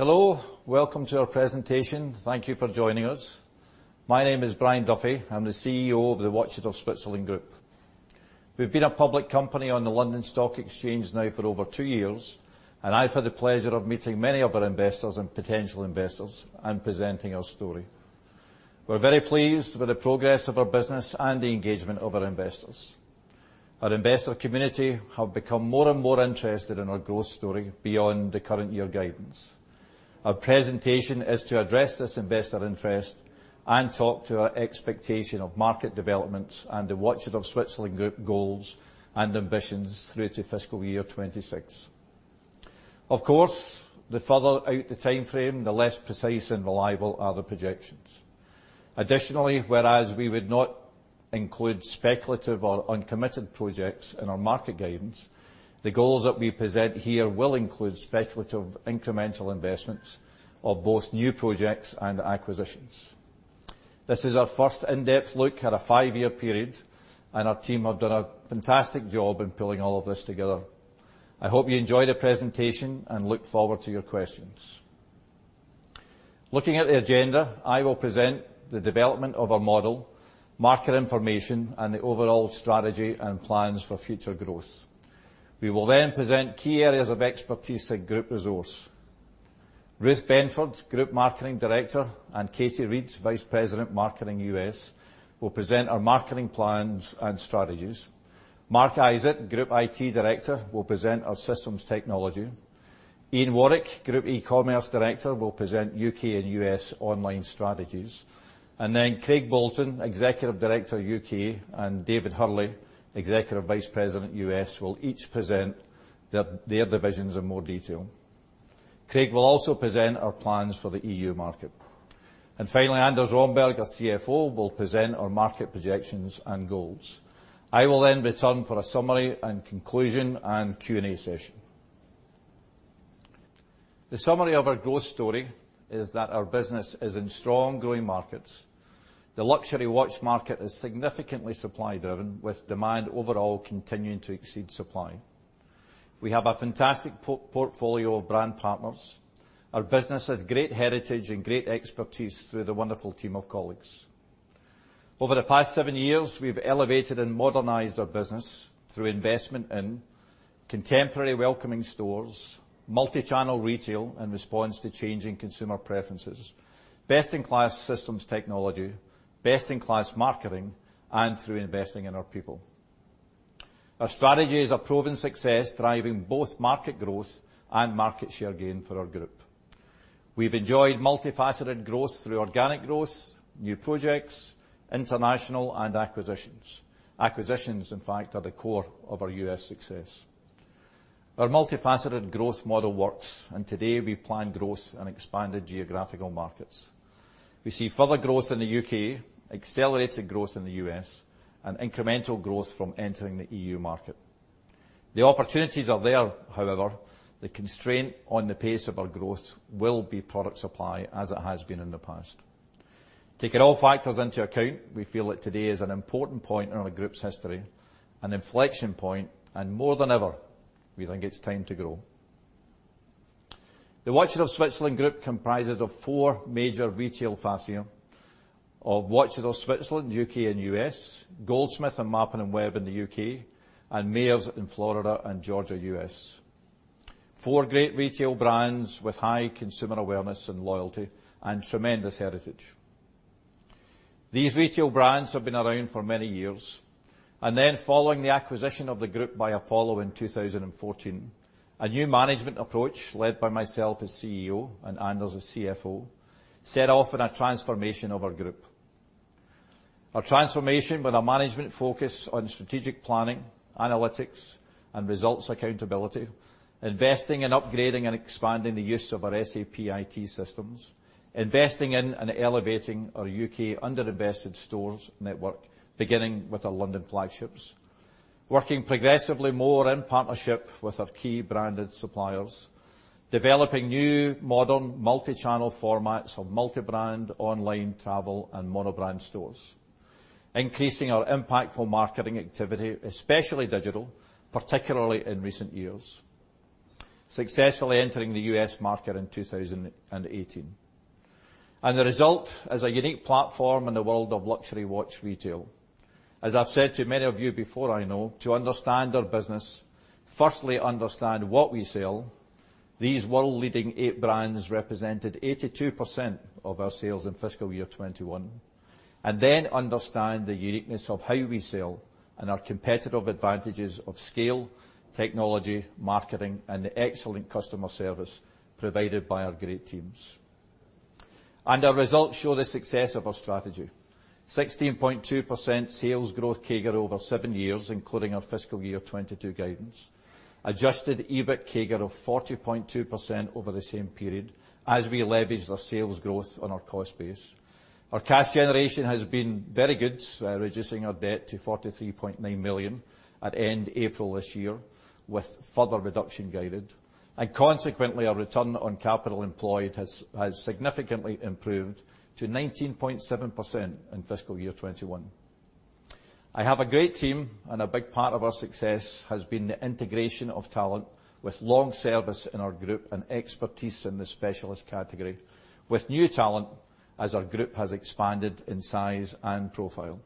Hello. Welcome to our presentation. Thank you for joining us. My name is Brian Duffy. I'm the CEO of the Watches of Switzerland Group. We've been a public company on the London Stock Exchange now for over two years, and I've had the pleasure of meeting many of our investors and potential investors and presenting our story. We're very pleased with the progress of our business and the engagement of our investors. Our investor community have become more and more interested in our growth story beyond the current year guidance. Our presentation is to address this investor interest and talk to our expectation of market developments and the Watches of Switzerland Group goals and ambitions through to fiscal year 2026. Of course, the further out the timeframe, the less precise and reliable are the projections. Additionally, whereas we would not include speculative or uncommitted projects in our market guidance, the goals that we present here will include speculative incremental investments of both new projects and acquisitions. This is our first in-depth look at a five-year period. Our team have done a fantastic job in pulling all of this together. I hope you enjoy the presentation and look forward to your questions. Looking at the agenda, I will present the development of our model, market information, and the overall strategy and plans for future growth. We will present key areas of expertise and group resource. Ruth Benford, Group Marketing Director, and Katie Reed, Vice President Marketing U.S., will present our marketing plans and strategies. Mark Isitt, Group IT Director, will present our systems technology. Ian Warwick, Group E-commerce Director, will present U.K. and U.S. online strategies. Craig Bolton, Executive Director U.K., and David Hurley, Executive Vice President U.S., will each present their divisions in more detail. Craig will also present our plans for the E.U. market. Anders Romberg, our CFO, will present our market projections and goals. I will then return for a summary and conclusion and Q&A session. The summary of our growth story is that our business is in strong growing markets. The luxury watch market is significantly supply-driven, with demand overall continuing to exceed supply. We have a fantastic portfolio of brand partners. Our business has great heritage and great expertise through the wonderful team of colleagues. Over the past seven years, we've elevated and modernized our business through investment in contemporary welcoming stores, multi-channel retail in response to changing consumer preferences, best-in-class systems technology, best-in-class marketing, and through investing in our people. Our strategy is a proven success, driving both market growth and market share gain for our group. We've enjoyed multifaceted growth through organic growth, new projects, international and acquisitions. Acquisitions, in fact, are the core of our U.S. success. Our multifaceted growth model works and today we plan growth in expanded geographical markets. We see further growth in the U.K., accelerated growth in the U.S., and incremental growth from entering the E.U. market. The opportunities are there. However, the constraint on the pace of our growth will be product supply as it has been in the past. Taking all factors into account, we feel that today is an important point in our group's history, an inflection point, and more than ever, we think it's time to grow. The Watches of Switzerland Group comprises of four major retail fascia of Watches of Switzerland, U.K. and U.S., Goldsmiths and Mappin & Webb in the U.K., and Mayors in Florida and Georgia, U.S. Four great retail brands with high consumer awareness and loyalty and tremendous heritage. These retail brands have been around for many years. Following the acquisition of the group by Apollo in 2014, a new management approach led by myself as CEO and Anders as CFO, set off on a transformation of our group. A transformation with a management focus on strategic planning, analytics, and results accountability, investing in upgrading and expanding the use of our SAP IT systems, investing in and elevating our U.K. under-invested stores network, beginning with our London flagships. Working progressively more in partnership with our key branded suppliers. Developing new, modern, multi-channel formats of multi-brand online travel and mono-brand stores. Increasing our impactful marketing activity, especially digital, particularly in recent years. Successfully entering the U.S. market in 2018. The result is a unique platform in the world of luxury watch retail. As I've said to many of you before, I know, to understand our business, firstly understand what we sell. These world-leading eight brands represented 82% of our sales in fiscal year 2021. Understand the uniqueness of how we sell and our competitive advantages of scale, technology, marketing, and excellent customer service provided by our great teams. Our results show the success of our strategy. 16.2% sales growth CAGR over seven years, including our fiscal year 2022 guidance. Adjusted EBIT CAGR of 40.2% over the same period as we leverage our sales growth on our cost base. Our cash generation has been very good, reducing our debt to 43.9 million at end April this year with further reduction guided. Consequently, our return on capital employed has significantly improved to 19.7% in FY 2021. I have a great team, a big part of our success has been the integration of talent with long service in our group and expertise in the specialist category, with new talent as our group has expanded in size and profile.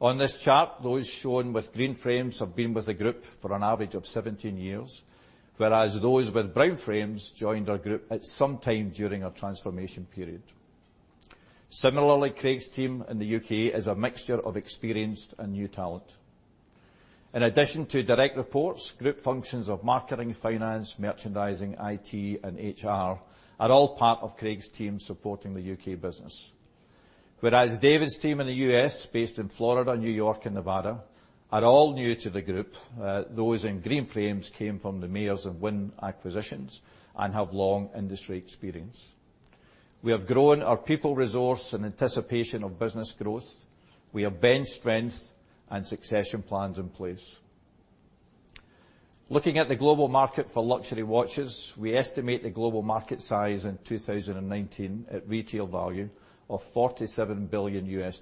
On this chart, those shown with green frames have been with the group for an average of 17 years, whereas those with brown frames joined our group at some time during our transformation period. Similarly, Craig's team in the U.K. is a mixture of experienced and new talent. In addition to direct reports, group functions of marketing, finance, merchandising, IT, and HR are all part of Craig's team supporting the U.K. business. Whereas David's team in the U.S., based in Florida, New York, and Nevada, are all new to the group. Those in green frames came from the Mayors and Wynn acquisitions and have long industry experience. We have grown our people resource in anticipation of business growth. We have bench strength and succession plans in place. Looking at the global market for luxury watches, we estimate the global market size in 2019 at retail value of $47 billion.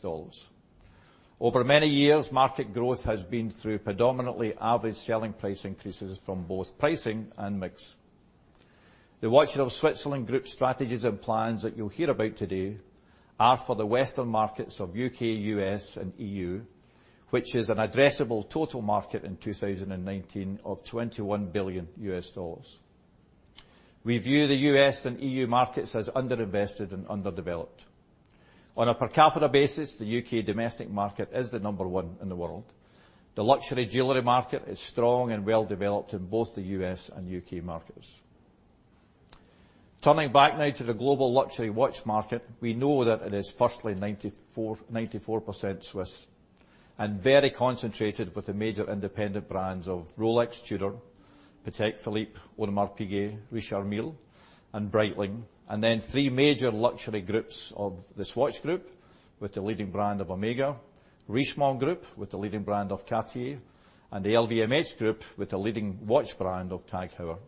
Over many years, market growth has been through predominantly average selling price increases from both pricing and mix. The Watches of Switzerland Group strategies and plans that you'll hear about today are for the Western markets of U.K., U.S., and E.U., which is an addressable total market in 2019 of $21 billion. We view the U.S. and E.U. markets as under-invested and underdeveloped. On a per capita basis, the U.K. domestic market is the number one in the world. The luxury jewelry market is strong and well developed in both the U.S. and U.K. markets. Turning back now to the global luxury watch market, we know that it is firstly 94% Swiss, and very concentrated with the major independent brands of Rolex, Tudor, Patek Philippe, Audemars Piguet, Richard Mille, and Breitling. Three major luxury groups of the Swatch Group with the leading brand of Omega, Richemont Group with the leading brand of Cartier, and the LVMH Group with the leading watch brand of TAG Heuer.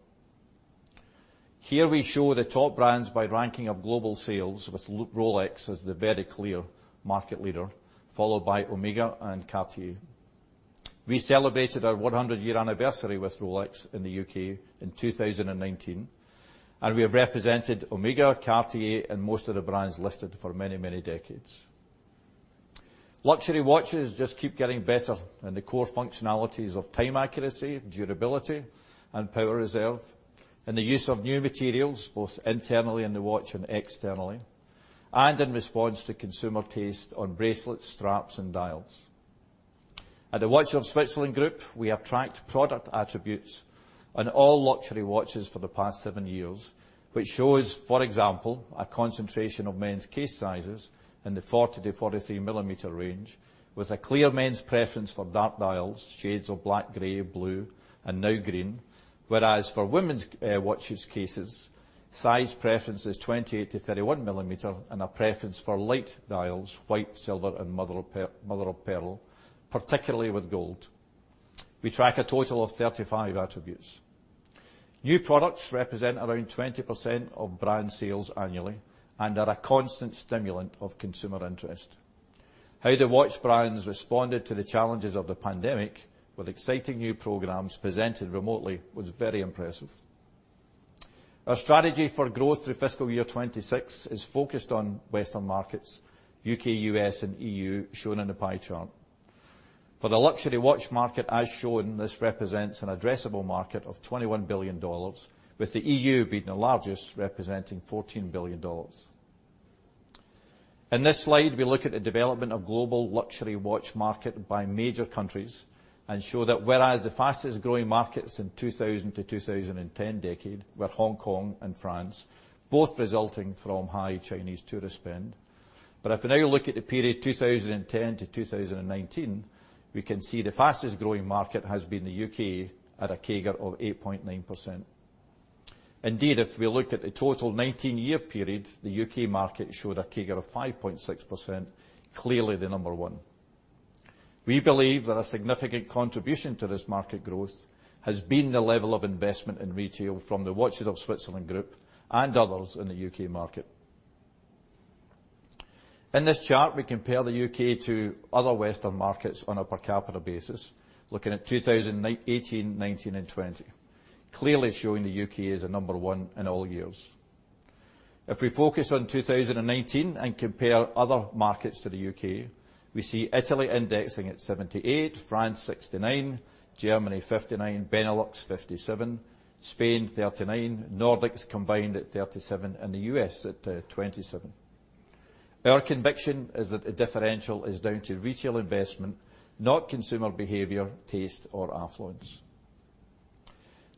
Here we show the top brands by ranking of global sales with Rolex as the very clear market leader, followed by Omega and Cartier. We celebrated our 100-year anniversary with Rolex in the U.K. in 2019, and we have represented Omega, Cartier, and most of the brands listed for many decades. Luxury watches just keep getting better in the core functionalities of time accuracy, durability, and power reserve, in the use of new materials both internally in the watch and externally, and in response to consumer taste on bracelets, straps, and dials. At the Watches of Switzerland Group, we have tracked product attributes on all luxury watches for the past seven years, which shows, for example, a concentration of men's case sizes in the 40 mm-43 mm range with a clear men's preference for dark dials, shades of black, gray, blue, and now green. For women's watches cases, size preference is 28 mm-31 mm and a preference for light dials, white, silver, and mother of pearl, particularly with gold. We track a total of 35 attributes. New products represent around 20% of brand sales annually and are a constant stimulant of consumer interest. How the watch brands responded to the challenges of the pandemic with exciting new programs presented remotely was very impressive. Our strategy for growth through FY 2026 is focused on Western markets, U.K., U.S., and E.U., shown in the pie chart. For the luxury watch market as shown, this represents an addressable market of $21 billion, with the E.U. being the largest, representing $14 billion. In this slide, we look at the development of global luxury watch market by major countries and show that whereas the fastest-growing markets in 2000-2010 decade were Hong Kong and France, both resulting from high Chinese tourist spend. If we now look at the period 2010-2019, we can see the fastest-growing market has been the U.K. at a CAGR of 8.9%. Indeed, if we look at the total 19-year period, the U.K. market showed a CAGR of 5.6%, clearly the number 1. We believe that a significant contribution to this market growth has been the level of investment in retail from the Watches of Switzerland Group and others in the U.K. market. In this chart, we compare the U.K. to other Western markets on a per capita basis, looking at 2018, 2019, and 2020, clearly showing the U.K. as the number one in all years. We focus on 2019 and compare other markets to the U.K., we see Italy indexing at 78, France 69, Germany 59, Benelux 57, Spain 39, Nordics combined at 37, and the U.S. at 27. Our conviction is that the differential is down to retail investment, not consumer behavior, taste, or affluence.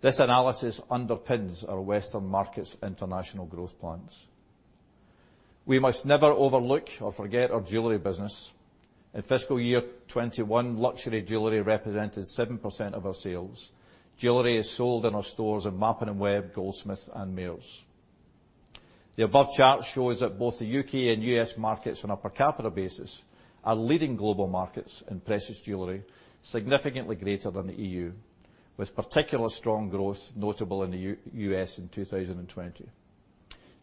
This analysis underpins our Western markets' international growth plans. We must never overlook or forget our jewelry business. In FY 2021, luxury jewelry represented 7% of our sales. Jewelry is sold in our stores in Mappin & Webb, Goldsmiths, and Mayors. The above chart shows that both the U.K. and U.S. markets on a per capita basis are leading global markets in precious jewelry, significantly greater than the E.U., with particular strong growth notable in the U.S. in 2020.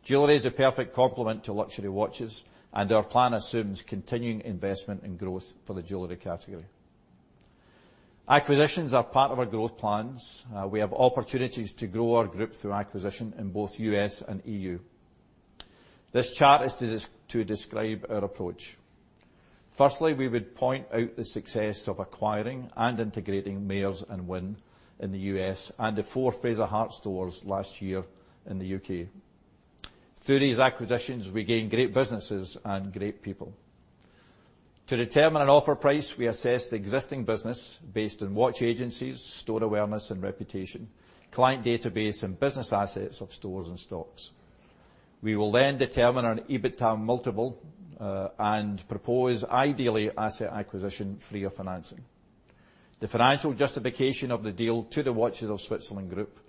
Jewelry is the perfect complement to luxury watches. Our plan assumes continuing investment and growth for the jewelry category. Acquisitions are part of our growth plans. We have opportunities to grow our group through acquisition in both U.S. and E.U. This chart is to describe our approach. Firstly, we would point out the success of acquiring and integrating Mayors and Wynn in the U.S. and the four Fraser Hart stores last year in the U.K. Through these acquisitions, we gain great businesses and great people. To determine an offer price, we assess the existing business based on watch agencies, store awareness and reputation, client database and business assets of stores and stocks. We will determine an EBITDA multiple and propose ideally asset acquisition free of financing. The financial justification of the deal to the Watches of Switzerland Group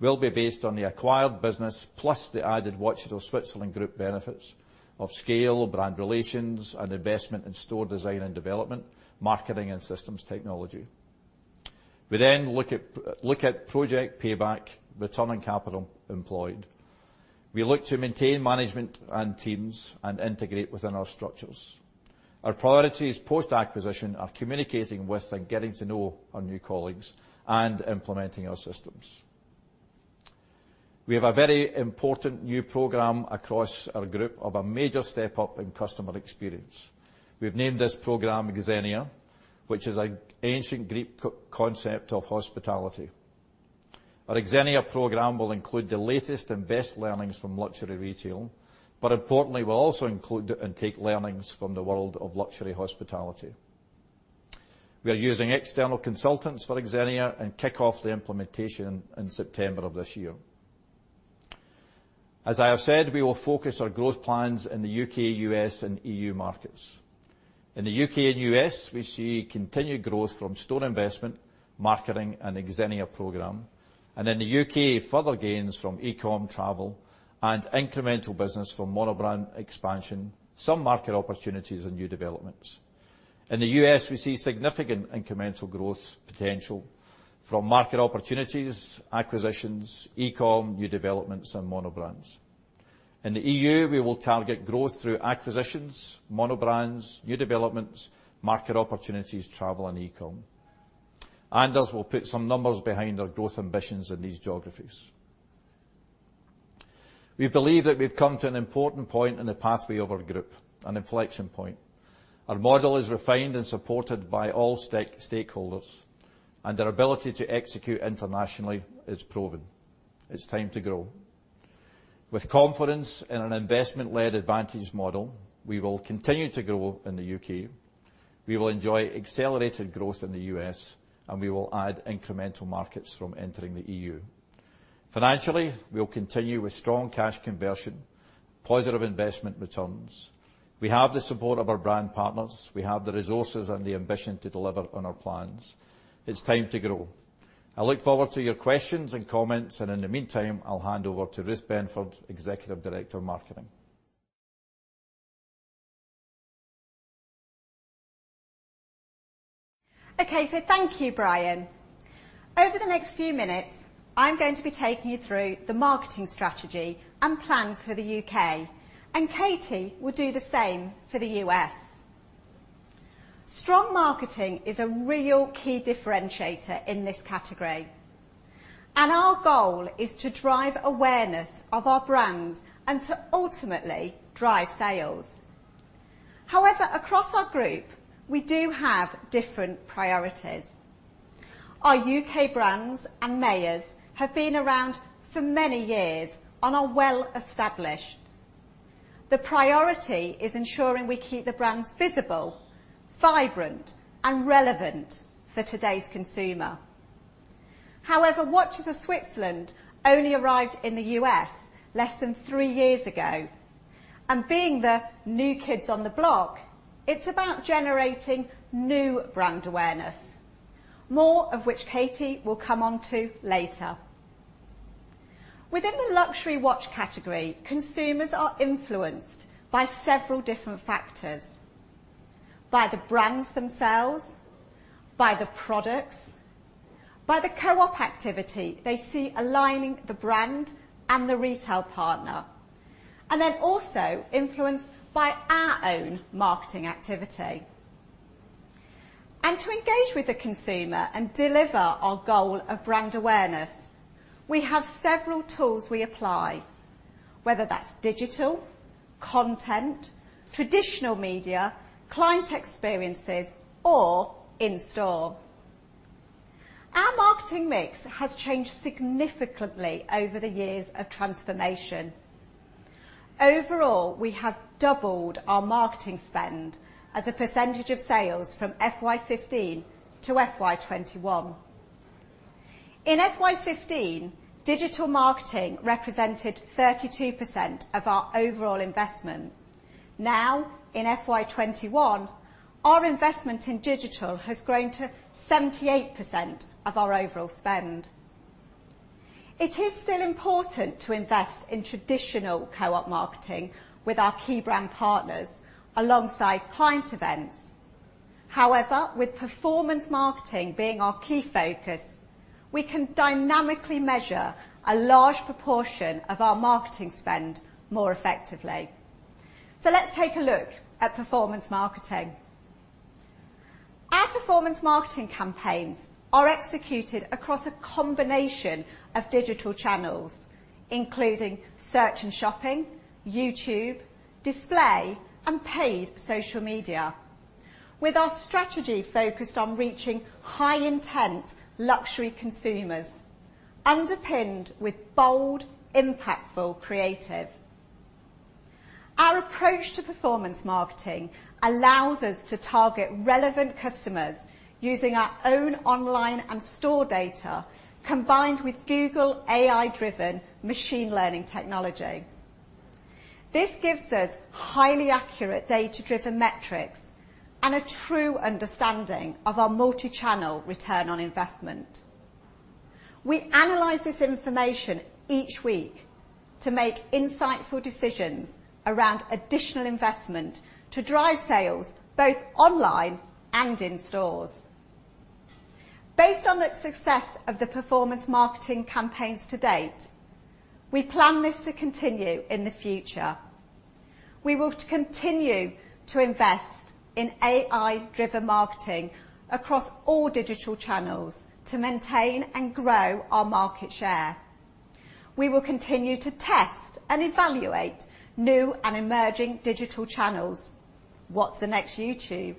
will be based on the acquired business, plus the added Watches of Switzerland Group benefits of scale, brand relations, and investment in store design and development, marketing and systems technology. We look at project payback, return on capital employed. We look to maintain management and teams and integrate within our structures. Our priorities post-acquisition are communicating with and getting to know our new colleagues and implementing our systems. We have a very important new program across our group of a major step up in customer experience. We've named this program Xenia, which is an ancient Greek concept of hospitality. Our Xenia program will include the latest and best learnings from luxury retail, but importantly, will also include and take learnings from the world of luxury hospitality. We are using external consultants for Xenia and kick off the implementation in September of this year. As I have said, we will focus our growth plans in the U.K., U.S., and E.U. markets. In the U.K. and U.S., we see continued growth from store investment, marketing, and the Xenia program. In the U.K., further gains from eCom travel and incremental business from monobrand expansion, some market opportunities and new developments. In the U.S., we see significant incremental growth potential from market opportunities, acquisitions, eCom, new developments, and monobrands. In the E.U., we will target growth through acquisitions, monobrands, new developments, market opportunities, travel, and eCom. Anders will put some numbers behind our growth ambitions in these geographies. We believe that we've come to an important point in the pathway of our group, an inflection point. Our model is refined and supported by all stakeholders, and our ability to execute internationally is proven. It's time to grow. With confidence in an investment-led advantage model, we will continue to grow in the U.K. We will enjoy accelerated growth in the U.S., and we will add incremental markets from entering the E.U. Financially, we'll continue with strong cash conversion, positive investment returns. We have the support of our brand partners. We have the resources and the ambition to deliver on our plans. It's time to grow. I look forward to your questions and comments, and in the meantime, I'll hand over to Ruth Benford, Executive Director of Marketing. Okay, thank you, Brian. Over the next few minutes, I'm going to be taking you through the marketing strategy and plans for the U.K., and Katie will do the same for the U.S. Strong marketing is a real key differentiator in this category, our goal is to drive awareness of our brands and to ultimately drive sales. Across our group, we do have different priorities. Our U.K. brands and Mayors have been around for many years and are well established. The priority is ensuring we keep the brands visible, vibrant, and relevant for today's consumer. Watches of Switzerland only arrived in the U.S. less than three years ago, and being the new kids on the block, it's about generating new brand awareness, more of which Katie will come onto later. Within the luxury watch category, consumers are influenced by several different factors: by the brands themselves, by the products, by the co-op activity they see aligning the brand and the retail partner, and they're also influenced by our own marketing activity. To engage with the consumer and deliver our goal of brand awareness, we have several tools we apply, whether that's digital, content, traditional media, client experiences, or in-store. Our marketing mix has changed significantly over the years of transformation. Overall, we have doubled our marketing spend as a percentage of sales from FY 2015 to FY 2021. In FY 2015, digital marketing represented 32% of our overall investment. Now, in FY 2021, our investment in digital has grown to 78% of our overall spend. It is still important to invest in traditional co-op marketing with our key brand partners alongside client events. However, with performance marketing being our key focus, we can dynamically measure a large proportion of our marketing spend more effectively. Let's take a look at performance marketing. Our performance marketing campaigns are executed across a combination of digital channels, including search and shopping, YouTube, display, and paid social media, with our strategy focused on reaching high-intent luxury consumers, underpinned with bold, impactful creative. Our approach to performance marketing allows us to target relevant customers using our own online and store data, combined with Google AI-driven machine learning technology. This gives us highly accurate data-driven metrics and a true understanding of our multi-channel return on investment. We analyze this information each week to make insightful decisions around additional investment to drive sales both online and in stores. Based on the success of the performance marketing campaigns to date, we plan this to continue in the future. We want to continue to invest in AI-driven marketing across all digital channels to maintain and grow our market share. We will continue to test and evaluate new and emerging digital channels. What's the next YouTube?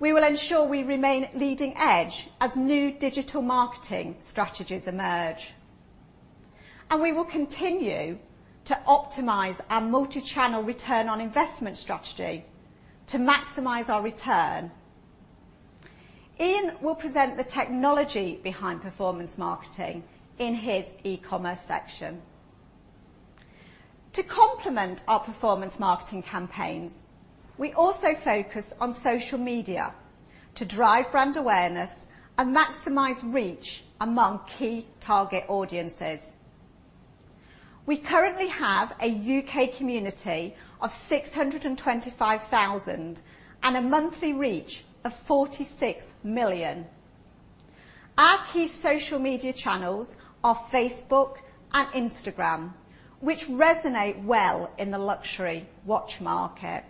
We will ensure we remain leading edge as new digital marketing strategies emerge, and we will continue to optimize our multi-channel return on investment strategy to maximize our return. Ian will present the technology behind performance marketing in his e-commerce section. To complement our performance marketing campaigns, we also focus on social media to drive brand awareness and maximize reach among key target audiences. We currently have a U.K. community of 625,000 and a monthly reach of 46 million. Our key social media channels are Facebook and Instagram, which resonate well in the luxury watch market.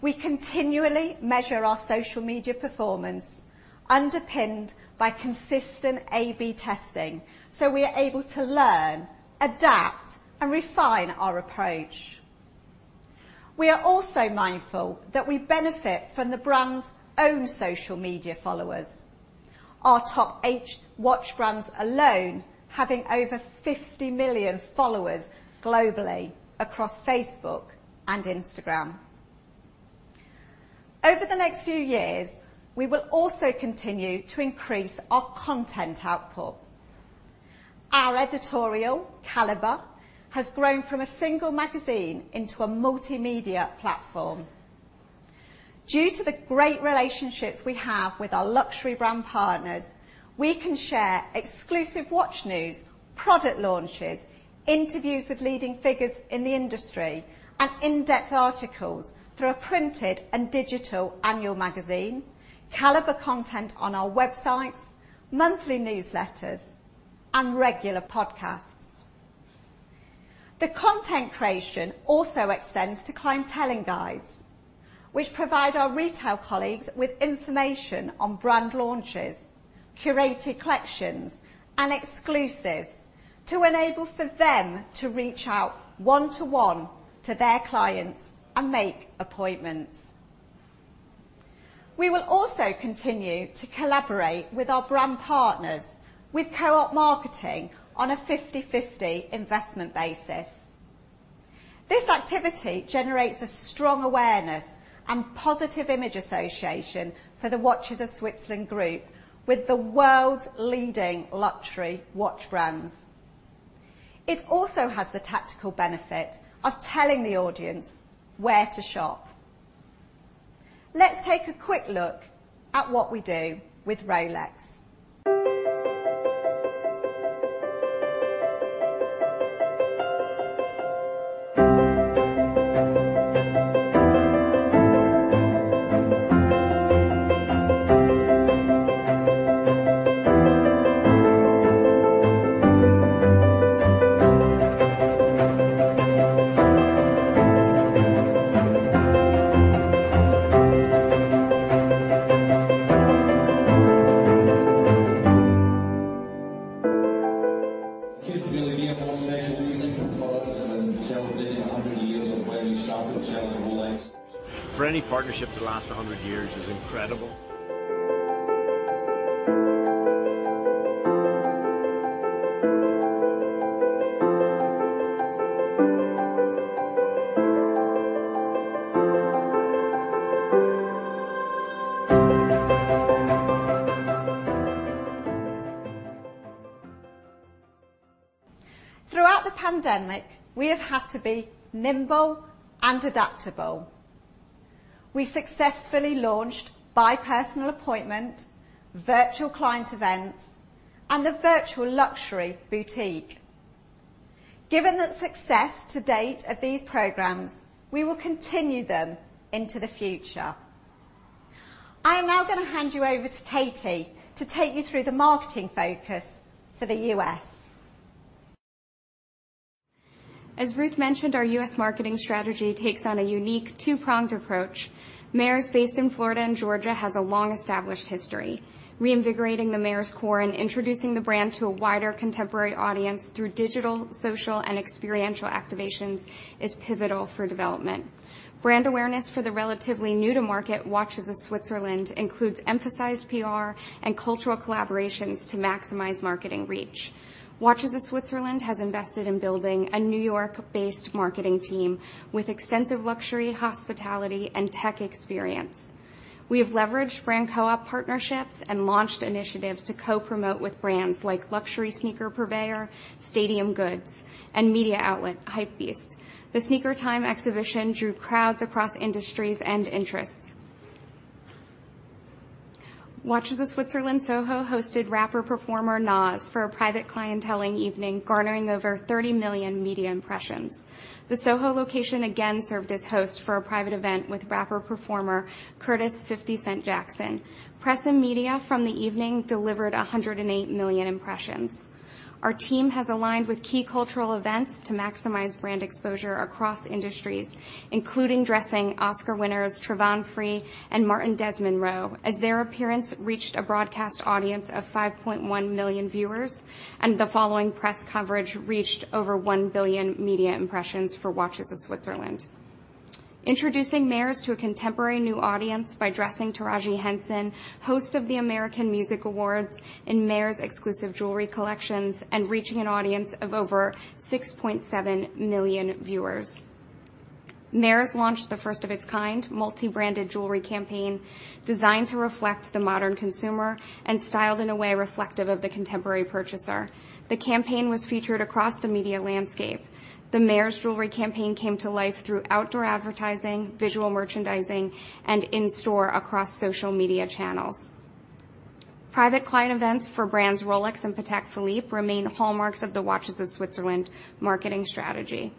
We continually measure our social media performance underpinned by consistent A/B testing. We are able to learn, adapt, and refine our approach. We are also mindful that we benefit from the brand's own social media followers. Our top eight watch brands alone having over 50 million followers globally across Facebook and Instagram. Over the next few years, we will also continue to increase our content output. Our editorial, Calibre, has grown from a single magazine into a multimedia platform. Due to the great relationships we have with our luxury brand partners, we can share exclusive watch news, product launches, interviews with leading figures in the industry, and in-depth articles through a printed and digital annual magazine, Calibre content on our websites, monthly newsletters, and regular podcasts. The content creation also extends to client telling guides, which provide our retail colleagues with information on brand launches, curated collections, and exclusives to enable for them to reach out one-to-one to their clients and make appointments. We will also continue to collaborate with our brand partners with co-op marketing on a 50/50 investment basis. This activity generates a strong awareness and positive image association for the Watches of Switzerland Group with the world's leading luxury watch brands. It also has the tactical benefit of telling the audience where to shop. Let's take a quick look at what we do with Rolex. A good deal here for a special weekend for those celebrating 100 years of ladies' watches celebrating Rolex. For any partnership to last 100 years is incredible. Throughout the pandemic, we have had to be nimble and adaptable. We successfully launched by personal appointment, virtual client events, and a virtual luxury boutique. Given the success to date of these programs, we will continue them into the future. I'm now going to hand you over to Katie to take you through the marketing focus for the U.S. As Ruth mentioned, our U.S. marketing strategy takes on a unique two-pronged approach. Mayors, based in Florida and Georgia, has a long-established history. Reinvigorating the Mayors core and introducing the brand to a wider contemporary audience through digital, social, and experiential activations is pivotal for development. Brand awareness for the relatively new-to-market Watches of Switzerland includes emphasized PR and cultural collaborations to maximize marketing reach. Watches of Switzerland has invested in building a New York-based marketing team with extensive luxury hospitality and tech experience. We have leveraged brand co-op partnerships and launched initiatives to co-promote with brands like luxury sneaker purveyor Stadium Goods and media outlet Hypebeast. The Sneaker Time exhibition drew crowds across industries and interests. Watches of Switzerland SoHo hosted rapper-performer Nas for a private clienteling evening, garnering over 30 million media impressions. The SoHo location again served as host for a private event with rapper-performer Curtis "50 Cent" Jackson. Press and media from the evening delivered 108 million impressions. Our team has aligned with key cultural events to maximize brand exposure across industries, including dressing Oscar winners Trevante Rhodes and Martin Desmond Roe, as their appearance reached a broadcast audience of 5.1 million viewers, and the following press coverage reached over one billion media impressions for Watches of Switzerland. Introducing Mayors to a contemporary new audience by dressing Taraji P. Henson, host of the American Music Awards, in Mayors exclusive jewelry collections and reaching an audience of over 6.7 million viewers. Mayors launched the first of its kind multi-branded jewelry campaign designed to reflect the modern consumer and styled in a way reflective of the contemporary purchaser. The campaign was featured across the media landscape. The Mayors jewelry campaign came to life through outdoor advertising, visual merchandising, and in-store across social media channels. Private client events for brands Rolex and Patek Philippe remain hallmarks of the Watches of Switzerland marketing strategy.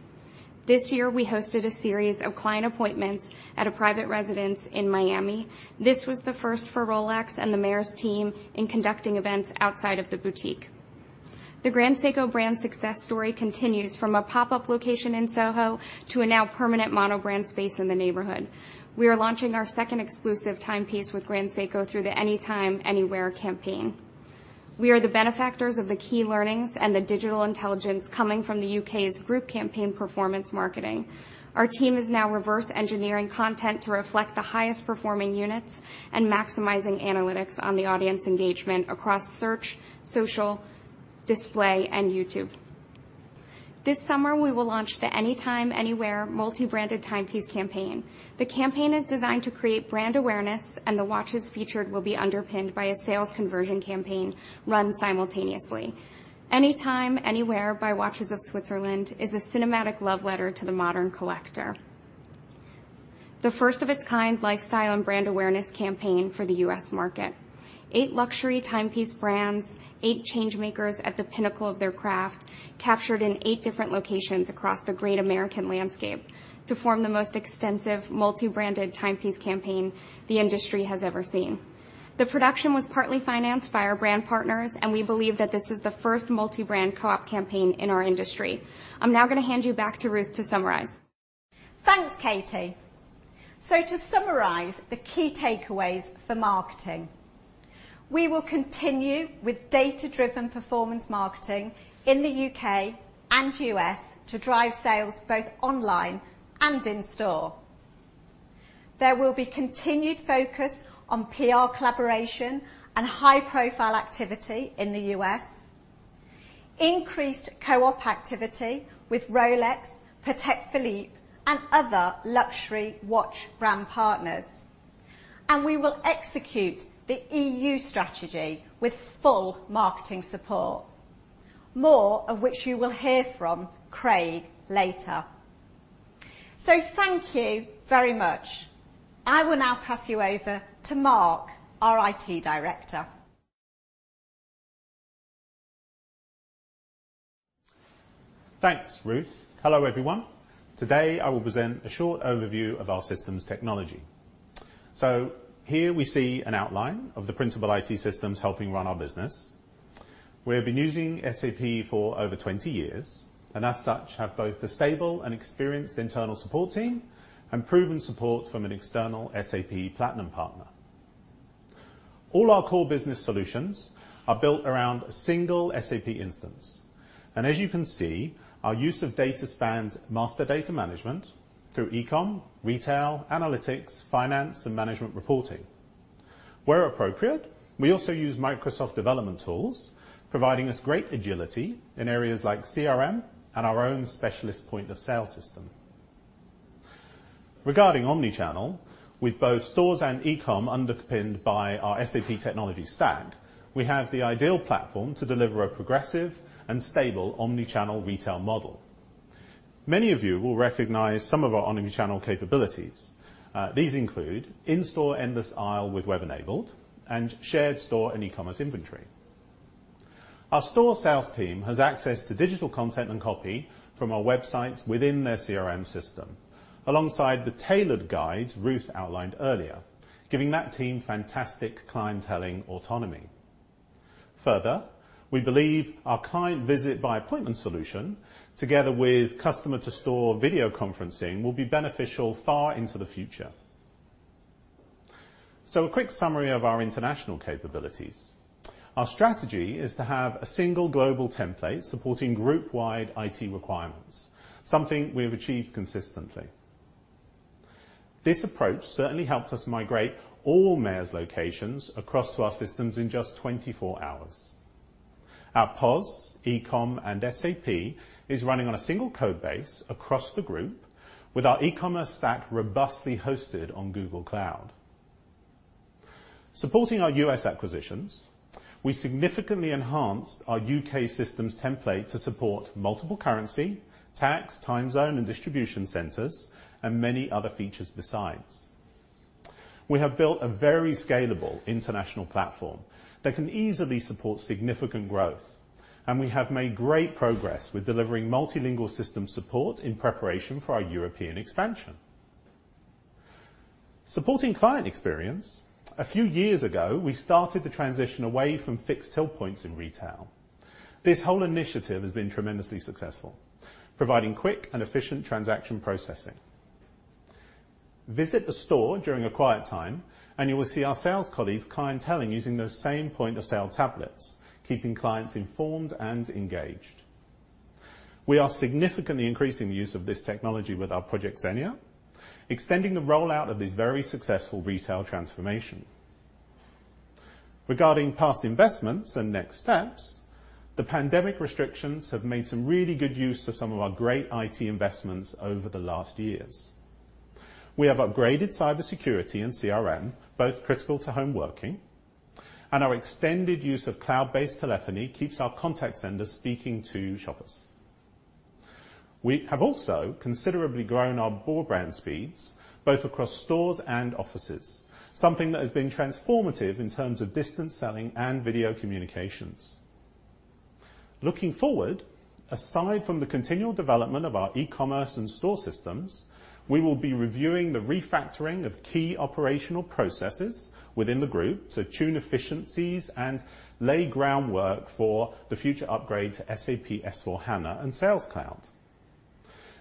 This year, we hosted a series of client appointments at a private residence in Miami. This was the first for Rolex and the Mayors team in conducting events outside of the boutique. The Grand Seiko brand success story continues from a pop-up location in SoHo to a now permanent mono-brand space in the neighborhood. We are launching our second exclusive timepiece with Grand Seiko through the Anytime. Anywhere. campaign. We are the benefactors of the key learnings and the digital intelligence coming from the U.K.'s group campaign performance marketing. Our team is now reverse engineering content to reflect the highest-performing units and maximizing analytics on the audience engagement across search, social, display, and YouTube. This summer, we will launch the Anytime. Anywhere. multi-branded timepiece campaign. The campaign is designed to create brand awareness, and the watches featured will be underpinned by a sales conversion campaign run simultaneously. Anytime. Anywhere. by Watches of Switzerland is a cinematic love letter to the modern collector. The first of its kind lifestyle and brand awareness campaign for the U.S. market. Eight luxury timepiece brands, eight change-makers at the pinnacle of their craft, captured in eight different locations across the great American landscape to form the most extensive multi-branded timepiece campaign the industry has ever seen. The production was partly financed by our brand partners, and we believe that this is the first multi-brand co-op campaign in our industry. I am now going to hand you back to Ruth to summarize. Thanks, Katie. To summarize the key takeaways for marketing. We will continue with data-driven performance marketing in the U.K. and U.S. to drive sales both online and in-store. There will be continued focus on PR collaboration and high-profile activity in the U.S., increased co-op activity with Rolex, Patek Philippe, and other luxury watch brand partners, and we will execute the E.U. strategy with full marketing support, more of which you will hear from Craig later. Thank you very much. I will now pass you over to Mark, our IT Director. Thanks, Ruth. Hello, everyone. Today, I will present a short overview of our systems technology. Here we see an outline of the principal IT systems helping run our business. We have been using SAP for over 20 years, and as such, have both the stable and experienced internal support team and proven support from an external SAP platinum partner. All our core business solutions are built around a single SAP instance. As you can see, our use of data spans master data management through eCom, retail, analytics, finance, and management reporting. Where appropriate, we also use Microsoft development tools, providing us great agility in areas like CRM and our own specialist point-of-sale system. Regarding omnichannel, with both stores and eCom underpinned by our SAP technology stack, we have the ideal platform to deliver a progressive and stable omnichannel retail model. Many of you will recognize some of our omnichannel capabilities. These include in-store endless aisle with web-enabled and shared store and e-commerce inventory. Our store sales team has access to digital content and copy from our websites within their CRM system, alongside the tailored guides Ruth outlined earlier, giving that team fantastic clienteling autonomy. Further, we believe our client visit by appointment solution, together with customer-to-store video conferencing, will be beneficial far into the future. A quick summary of our international capabilities. Our strategy is to have a single global template supporting group-wide IT requirements, something we have achieved consistently. This approach certainly helped us migrate all Mayors locations across to our systems in just 24 hours. Our POS, eCom, and SAP is running on a single code base across the group with our e-commerce stack robustly hosted on Google Cloud. Supporting our U.S. acquisitions, we significantly enhanced our U.K. systems template to support multiple currency, tax, time zone, and distribution centers, and many other features besides. We have built a very scalable international platform that can easily support significant growth, and we have made great progress with delivering multilingual system support in preparation for our European expansion. Supporting client experience, a few years ago, we started the transition away from fixed till points in retail. This whole initiative has been tremendously successful, providing quick and efficient transaction processing. Visit the store during a quiet time, you will see our sales colleagues clienteling using those same point of sale tablets, keeping clients informed and engaged. We are significantly increasing the use of this technology with our project Xenia, extending the rollout of this very successful retail transformation. Regarding past investments and next steps, the pandemic restrictions have made some really good use of some of our great IT investments over the last years. We have upgraded cybersecurity and CRM, both critical to home working, and our extended use of cloud-based telephony keeps our contact centers speaking to shoppers. We have also considerably grown our broadband speeds, both across stores and offices, something that has been transformative in terms of distance selling and video communications. Looking forward, aside from the continual development of our e-commerce and store systems, we will be reviewing the refactoring of key operational processes within the group to tune efficiencies and lay groundwork for the future upgrade to SAP S/4HANA and Sales Cloud.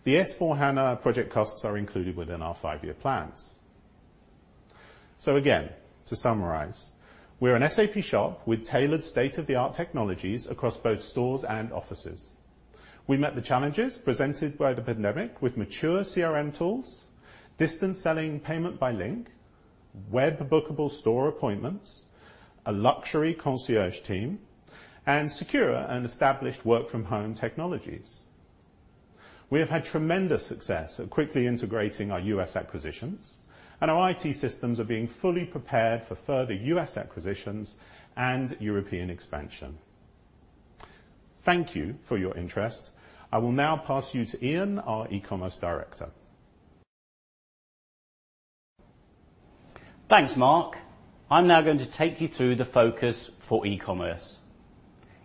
The S/4HANA project costs are included within our five-year plans. Again, to summarize, we're an SAP shop with tailored state-of-the-art technologies across both stores and offices. We met the challenges presented by the pandemic with mature CRM tools, distance selling payment by link, web bookable store appointments, a luxury concierge team, and secure and established work from home technologies. We have had tremendous success at quickly integrating our U.S. acquisitions, and our IT systems are being fully prepared for further U.S. acquisitions and European expansion. Thank you for your interest. I will now pass you to Ian, our Group E-commerce Director. Thanks, Mark. I am now going to take you through the focus for E-Commerce.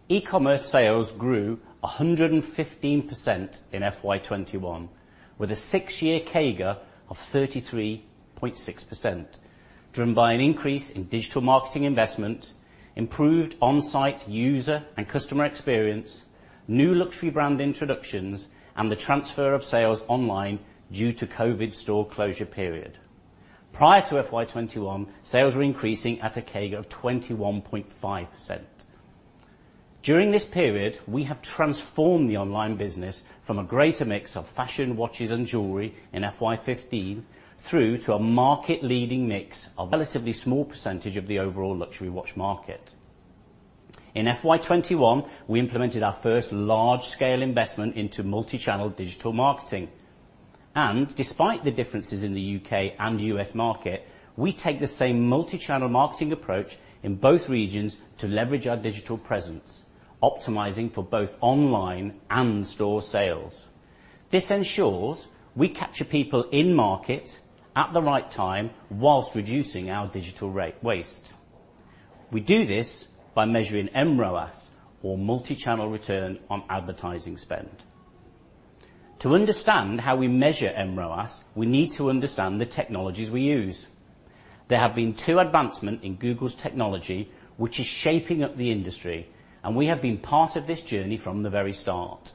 E-commerce sales grew 115% in FY 2021, with a six-year CAGR of 33.6%, driven by an increase in digital marketing investment, improved on-site user and customer experience, new luxury brand introductions, and the transfer of sales online due to COVID store closure period. Prior to FY 2021, sales were increasing at a CAGR of 21.5%. During this period, we have transformed the online business from a greater mix of fashion watches and jewelry in FY 2015 through to a market-leading mix, a relatively small percentage of the overall luxury watch market. In FY 2021, we implemented our first large-scale investment into multi-channel digital marketing. Despite the differences in the U.K. and U.S. market, we take the same multi-channel marketing approach in both regions to leverage our digital presence, optimizing for both online and store sales. This ensures we capture people in market at the right time while reducing our digital waste. We do this by measuring mROAS, or multi-channel return on advertising spend. To understand how we measure mROAS, we need to understand the technologies we use. There have been two advancements in Google's technology, which is shaping up the industry, and we have been part of this journey from the very start.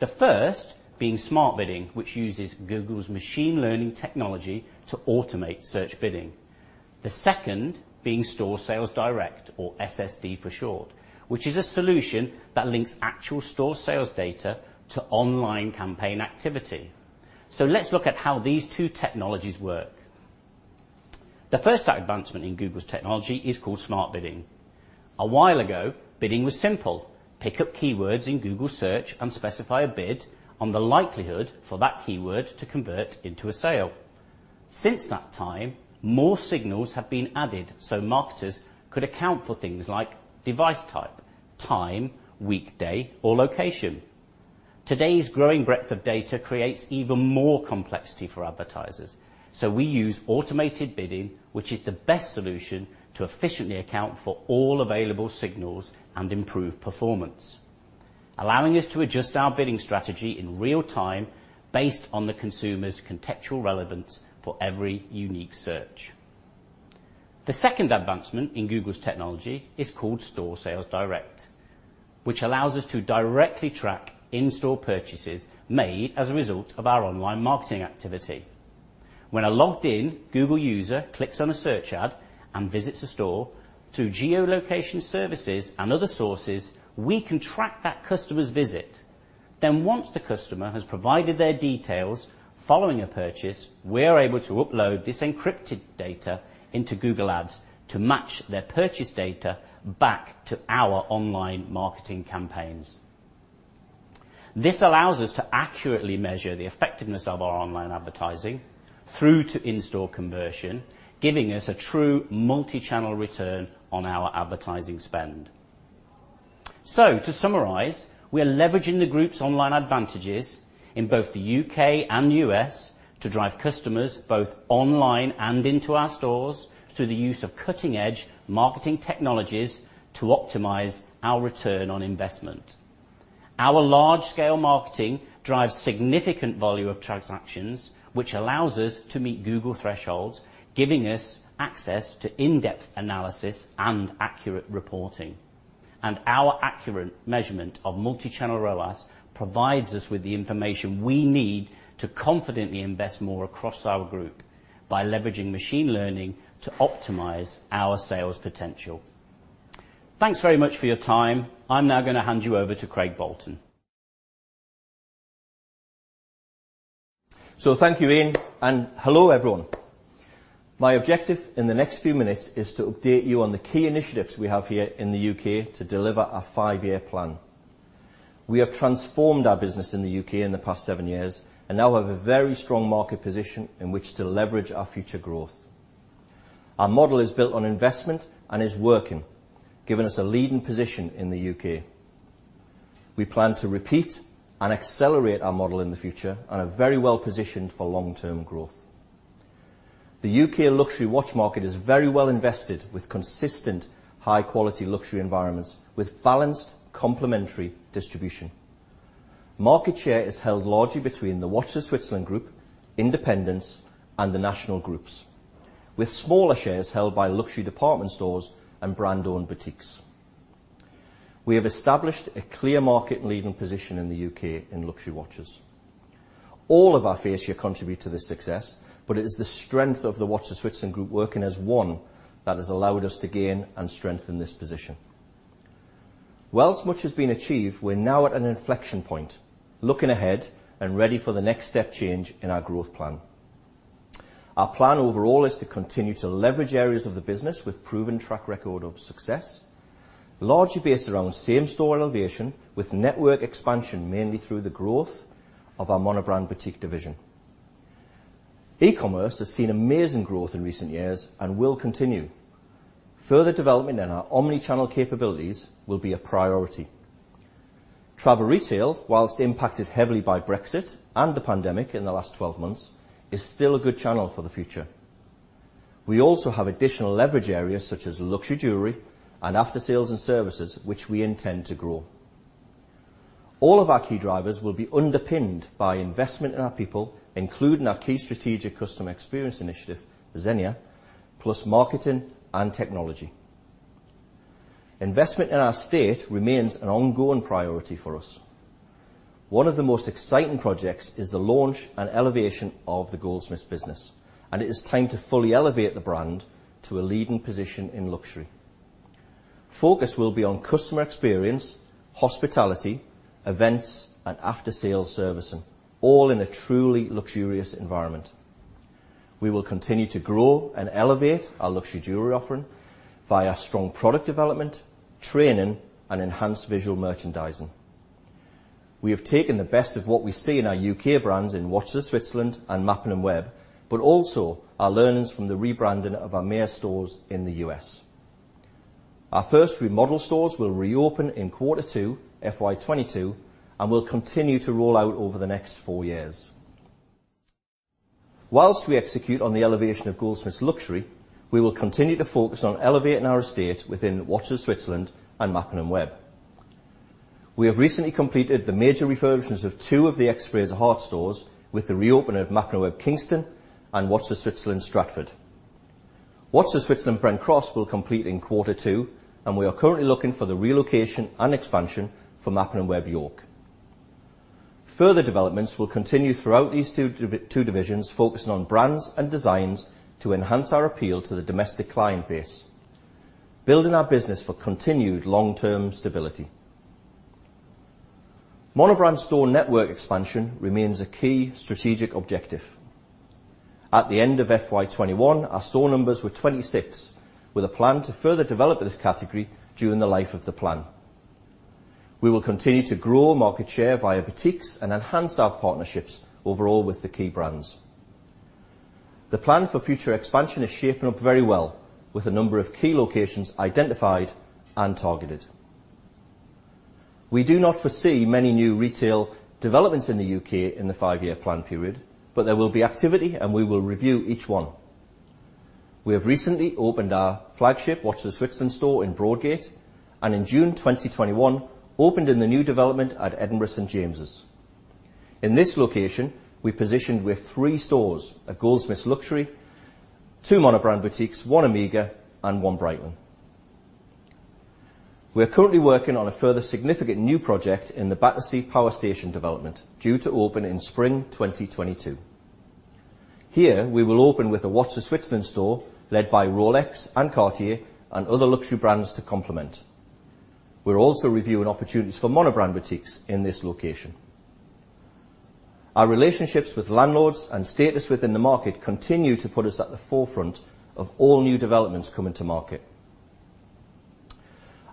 The first being Smart Bidding, which uses Google's machine learning technology to automate search bidding. The second being Store Sales Direct, or SSD for short, which is a solution that links actual store sales data to online campaign activity. Let's look at how these two technologies work. The first advancement in Google's technology is called Smart Bidding. A while ago, bidding was simple. Pick up keywords in Google Search and specify a bid on the likelihood for that keyword to convert into a sale. Since that time, more signals have been added so marketers could account for things like device type, time, weekday, or location. Today's growing breadth of data creates even more complexity for advertisers, so we use automated bidding, which is the best solution to efficiently account for all available signals and improve performance, allowing us to adjust our bidding strategy in real time based on the consumer's contextual relevance for every unique search. The second advancement in Google's technology is called Store Sales Direct, which allows us to directly track in-store purchases made as a result of our online marketing activity. When a logged-in Google user clicks on a search ad and visits a store, through geolocation services and other sources, we can track that customer's visit. Once the customer has provided their details following a purchase, we are able to upload this encrypted data into Google Ads to match their purchase data back to our online marketing campaigns. This allows us to accurately measure the effectiveness of our online advertising through to in-store conversion, giving us a true multi-channel return on our advertising spend. To summarize, we are leveraging the group's online advantages in both the U.K. and U.S. to drive customers both online and into our stores through the use of cutting-edge marketing technologies to optimize our return on investment. Our large-scale marketing drives significant volume of transactions, which allows us to meet Google thresholds, giving us access to in-depth analysis and accurate reporting. Our accurate measurement of multi-channel ROAS provides us with the information we need to confidently invest more across our group by leveraging machine learning to optimize our sales potential. Thanks very much for your time. I'm now going to hand you over to Craig Bolton. Thank you, Ian, and hello, everyone. My objective in the next few minutes is to update you on the key initiatives we have here in the U.K. to deliver our five-year plan. We have transformed our business in the U.K. in the past seven years and now have a very strong market position in which to leverage our future growth. Our model is built on investment and is working, giving us a leading position in the U.K. We plan to repeat and accelerate our model in the future and are very well-positioned for long-term growth. The U.K. luxury watch market is very well invested with consistent high-quality luxury environments with balanced complementary distribution. Market share is held largely between Watches of Switzerland Group, independents, and the national groups, with smaller shares held by luxury department stores and brand-owned boutiques. We have established a clear market-leading position in the U.K. in luxury watches. All of our fascias contribute to the success, but it is the strength of Watches of Switzerland Group working as one that has allowed us to gain and strengthen this position. Whilst much has been achieved, we are now at an inflection point, looking ahead and ready for the next step change in our growth plan. Our plan overall is to continue to leverage areas of the business with proven track record of success, largely based around same-store elevation with network expansion mainly through the growth of our monobrand boutique division. E-commerce has seen amazing growth in recent years and will continue. Further development in our omnichannel capabilities will be a priority. Travel retail, while impacted heavily by Brexit and the pandemic in the last 12 months, is still a good channel for the future. We also have additional leverage areas such as luxury jewelry and aftersales and services, which we intend to grow. All of our key drivers will be underpinned by investment in our people, including our key strategic customer experience initiative, Xenia, plus marketing and technology. Investment in our estate remains an ongoing priority for us. One of the most exciting projects is the launch and elevation of the Goldsmiths business, and it is time to fully elevate the brand to a leading position in luxury. Focus will be on customer experience, hospitality, events, and after-sale servicing, all in a truly luxurious environment. We will continue to grow and elevate our luxury jewelry offering via strong product development, training, and enhanced visual merchandising. We have taken the best of what we see in our U.K. brands in Watches of Switzerland and Mappin & Webb, but also our learnings from the rebranding of our Mayors stores in the U.S. Our first remodeled stores will reopen in Q2 FY 2022 and will continue to roll out over the next four years. Whilst we execute on the elevation of Goldsmiths luxury, we will continue to focus on elevating our estate within Watches of Switzerland and Mappin & Webb. We have recently completed the major refurbishments of two of the [experience heart stores with the reopen of Mappin & Webb Kingston and Watches of Switzerland Stratford. Watches of Switzerland Brent Cross will complete in Q2, and we are currently looking for the relocation and expansion for Mappin & Webb York. Further developments will continue throughout these two divisions, focusing on brands and designs to enhance our appeal to the domestic client base, building our business for continued long-term stability. Monobrand store network expansion remains a key strategic objective. At the end of FY 2021, our store numbers were 26, with a plan to further develop this category during the life of the plan. We will continue to grow market share via boutiques and enhance our partnerships overall with the key brands. The plan for future expansion is shaping up very well with a number of key locations identified and targeted. We do not foresee many new retail developments in the U.K. in the five-year plan period, but there will be activity, and we will review each one. We have recently opened our flagship Watches of Switzerland store in Broadgate, and in June 2021, opened in the new development at Edinburgh St. James. In this location, we positioned with three stores, a Goldsmiths luxury, two monobrand boutiques, one Omega and one Breitling. We are currently working on a further significant new project in the Battersea Power Station development due to open in spring 2022. Here, we will open with a Watches of Switzerland store led by Rolex and Cartier and other luxury brands to complement. We are also reviewing opportunities for monobrand boutiques in this location. Our relationships with landlords and status within the market continue to put us at the forefront of all new developments coming to market.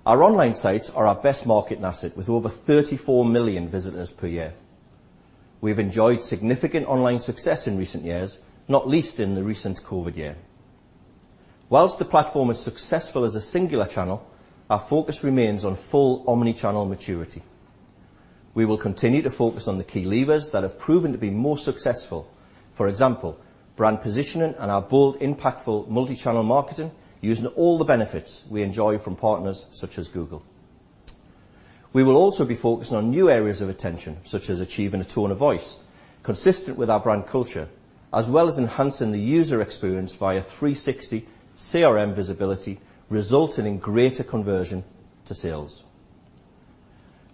Our online sites are our best market asset with over 34 million visitors per year. We've enjoyed significant online success in recent years, not least in the recent COVID year. While the platform is successful as a singular channel, our focus remains on full omnichannel maturity. We will continue to focus on the key levers that have proven to be most successful. For example, brand positioning and our bold, impactful multi-channel marketing using all the benefits we enjoy from partners such as Google. We will also be focusing on new areas of attention, such as achieving a tone of voice consistent with our brand culture, as well as enhancing the user experience via 360 CRM visibility, resulting in greater conversion to sales.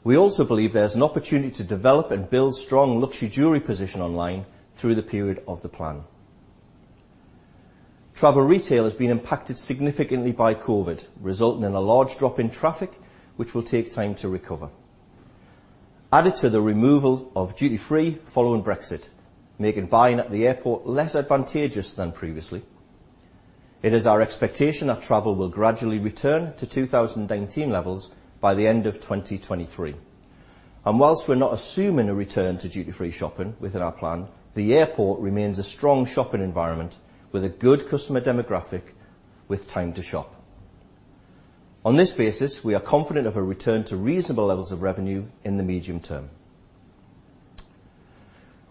We also believe there's an opportunity to develop and build strong luxury jewelry position online through the period of the plan. Travel retail has been impacted significantly by COVID, resulting in a large drop in traffic, which will take time to recover. Added to the removal of duty-free following Brexit, making buying at the airport less advantageous than previously. It is our expectation that travel will gradually return to 2019 levels by the end of 2023. Whilst we're not assuming a return to duty-free shopping within our plan, the airport remains a strong shopping environment with a good customer demographic with time to shop. On this basis, we are confident of a return to reasonable levels of revenue in the medium term.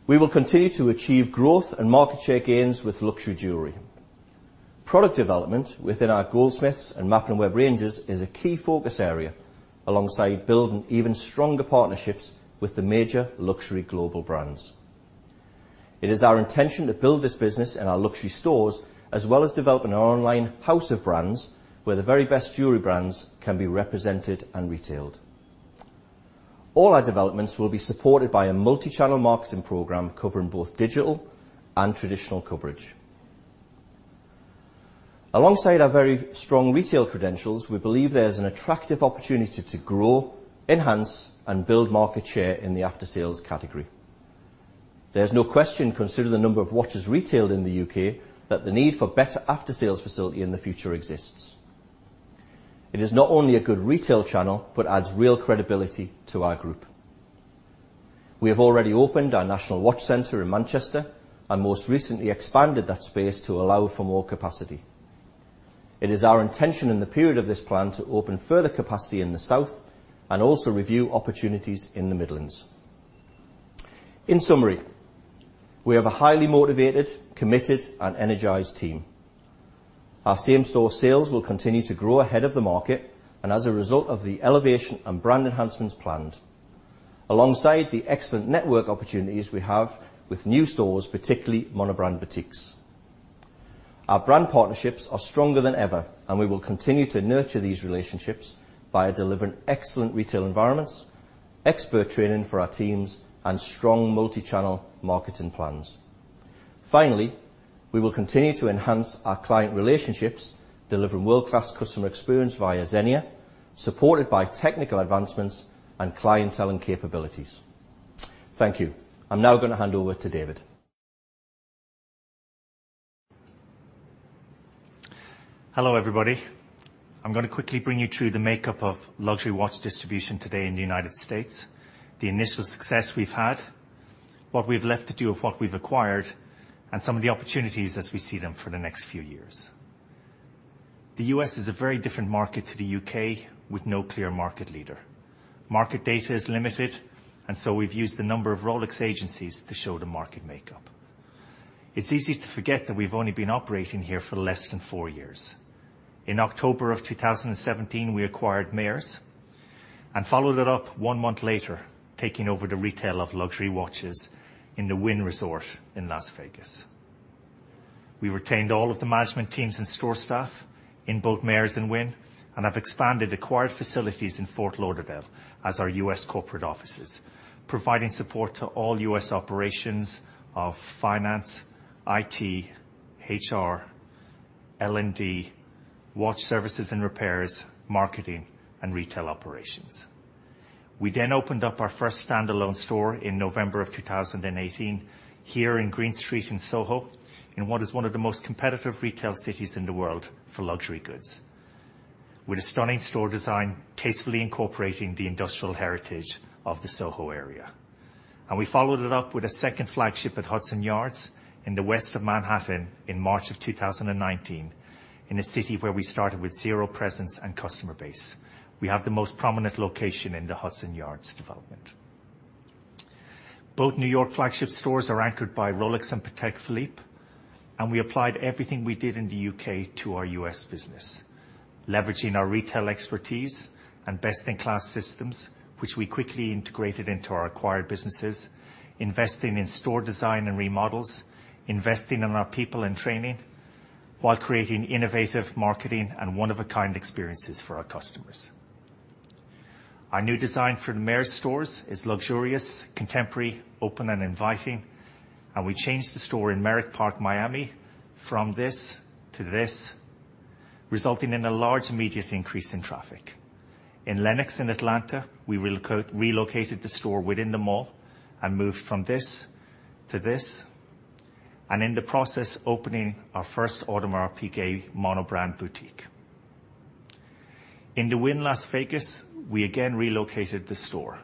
We will continue to achieve growth and market share gains with luxury jewelry. Product development within our Goldsmiths and Mappin & Webb ranges is a key focus area alongside building even stronger partnerships with the major luxury global brands. It is our intention to build this business in our luxury stores, as well as developing our online house of brands, where the very best jewelry brands can be represented and retailed. All our developments will be supported by a multi-channel marketing program covering both digital and traditional coverage. Alongside our very strong retail credentials, we believe there is an attractive opportunity to grow, enhance, and build market share in the after-sales category. There's no question, considering the number of watches retailed in the U.K., that the need for better after-sales facility in the future exists. It is not only a good retail channel but adds real credibility to our group. We have already opened our national watch center in Manchester and most recently expanded that space to allow for more capacity. It is our intention in the period of this plan to open further capacity in the south and also review opportunities in the Midlands. In summary, we have a highly motivated, committed and energized team. Our same-store sales will continue to grow ahead of the market and as a result of the elevation and brand enhancements planned alongside the excellent network opportunities we have with new stores, particularly monobrand boutiques. Our brand partnerships are stronger than ever. We will continue to nurture these relationships by delivering excellent retail environments, expert training for our teams, and strong multi-channel marketing plans. Finally, we will continue to enhance our client relationships, delivering world-class customer experience via Xenia, supported by technical advancements and clienteling capabilities. Thank you. I'm now going to hand over to David. Hello, everybody. I'm going to quickly bring you through the makeup of luxury watch distribution today in the U.S., the initial success we've had, what we've left to do of what we've acquired, and some of the opportunities as we see them for the next few years. The U.S. is a very different market to the U.K. with no clear market leader. Market data is limited. We've used a number of Rolex agencies to show the market makeup. It's easy to forget that we've only been operating here for less than four years. In October of 2017, we acquired Mayors and followed it up one month later, taking over the retail of luxury watches in the Wynn Resort in Las Vegas. We retained all of the management teams and store staff in both Mayors and Wynn and have expanded acquired facilities in Fort Lauderdale as our U.S. corporate offices, providing support to all U.S. operations of finance, IT, HR, L&D, watch services and repairs, marketing, and retail operations. We then opened up our first standalone store in November of 2018 here in Greene Street in SoHo in what is one of the most competitive retail cities in the world for luxury goods. With a stunning store design tastefully incorporating the industrial heritage of the SoHo area. We followed it up with a second flagship at Hudson Yards in the west of Manhattan in March of 2019, in a city where we started with zero presence and customer base. We have the most prominent location in the Hudson Yards development. Both New York flagship stores are anchored by Rolex and Patek Philippe, and we applied everything we did in the U.K. to our U.S. business. Leveraging our retail expertise and best-in-class systems, which we quickly integrated into our acquired businesses, investing in store design and remodels, investing in our people and training, while creating innovative marketing and one-of-a-kind experiences for our customers. Our new design for the Mayors stores is luxurious, contemporary, open and inviting. We changed the store in Merrick Park, Miami, from this to this, resulting in a large immediate increase in traffic. In Lenox in Atlanta, we relocated the store within the mall and moved from this to this. In the process, opening our first Audemars Piguet monobrand boutique. In the Wynn Las Vegas, we again relocated the store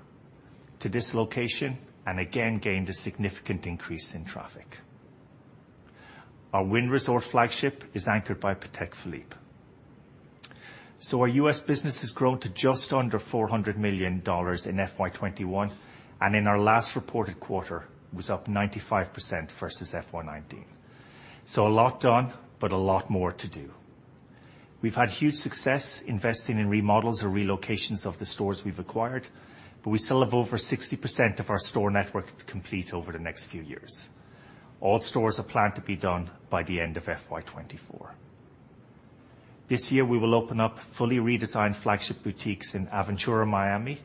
to this location and again gained a significant increase in traffic. Our Wynn Resort flagship is anchored by Patek Philippe. Our U.S. business has grown to just under $400 million in FY 2021. Our U.S. business in our last reported quarter was up 95% versus FY 2019. A lot done, a lot more to do. We've had huge success investing in remodels or relocations of the stores we've acquired. We still have over 60% of our store network to complete over the next few years. All stores are planned to be done by the end of FY 2024. This year, we will open up fully redesigned flagship boutiques in Aventura, Miami.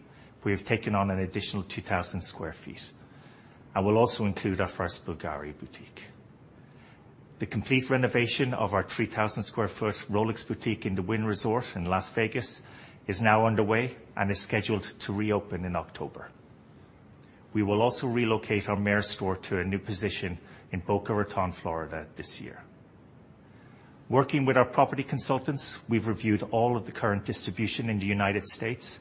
We have taken on an additional 2,000 sq ft, and we'll also include our first BVLGARI boutique. The complete renovation of our 3,000 sq ft Rolex boutique in the Wynn Resort in Las Vegas is now underway and is scheduled to reopen in October. We will also relocate our Mayors store to a new position in Boca Raton, Florida, this year. Working with our property consultants, we've reviewed all of the current distribution in the U.S.,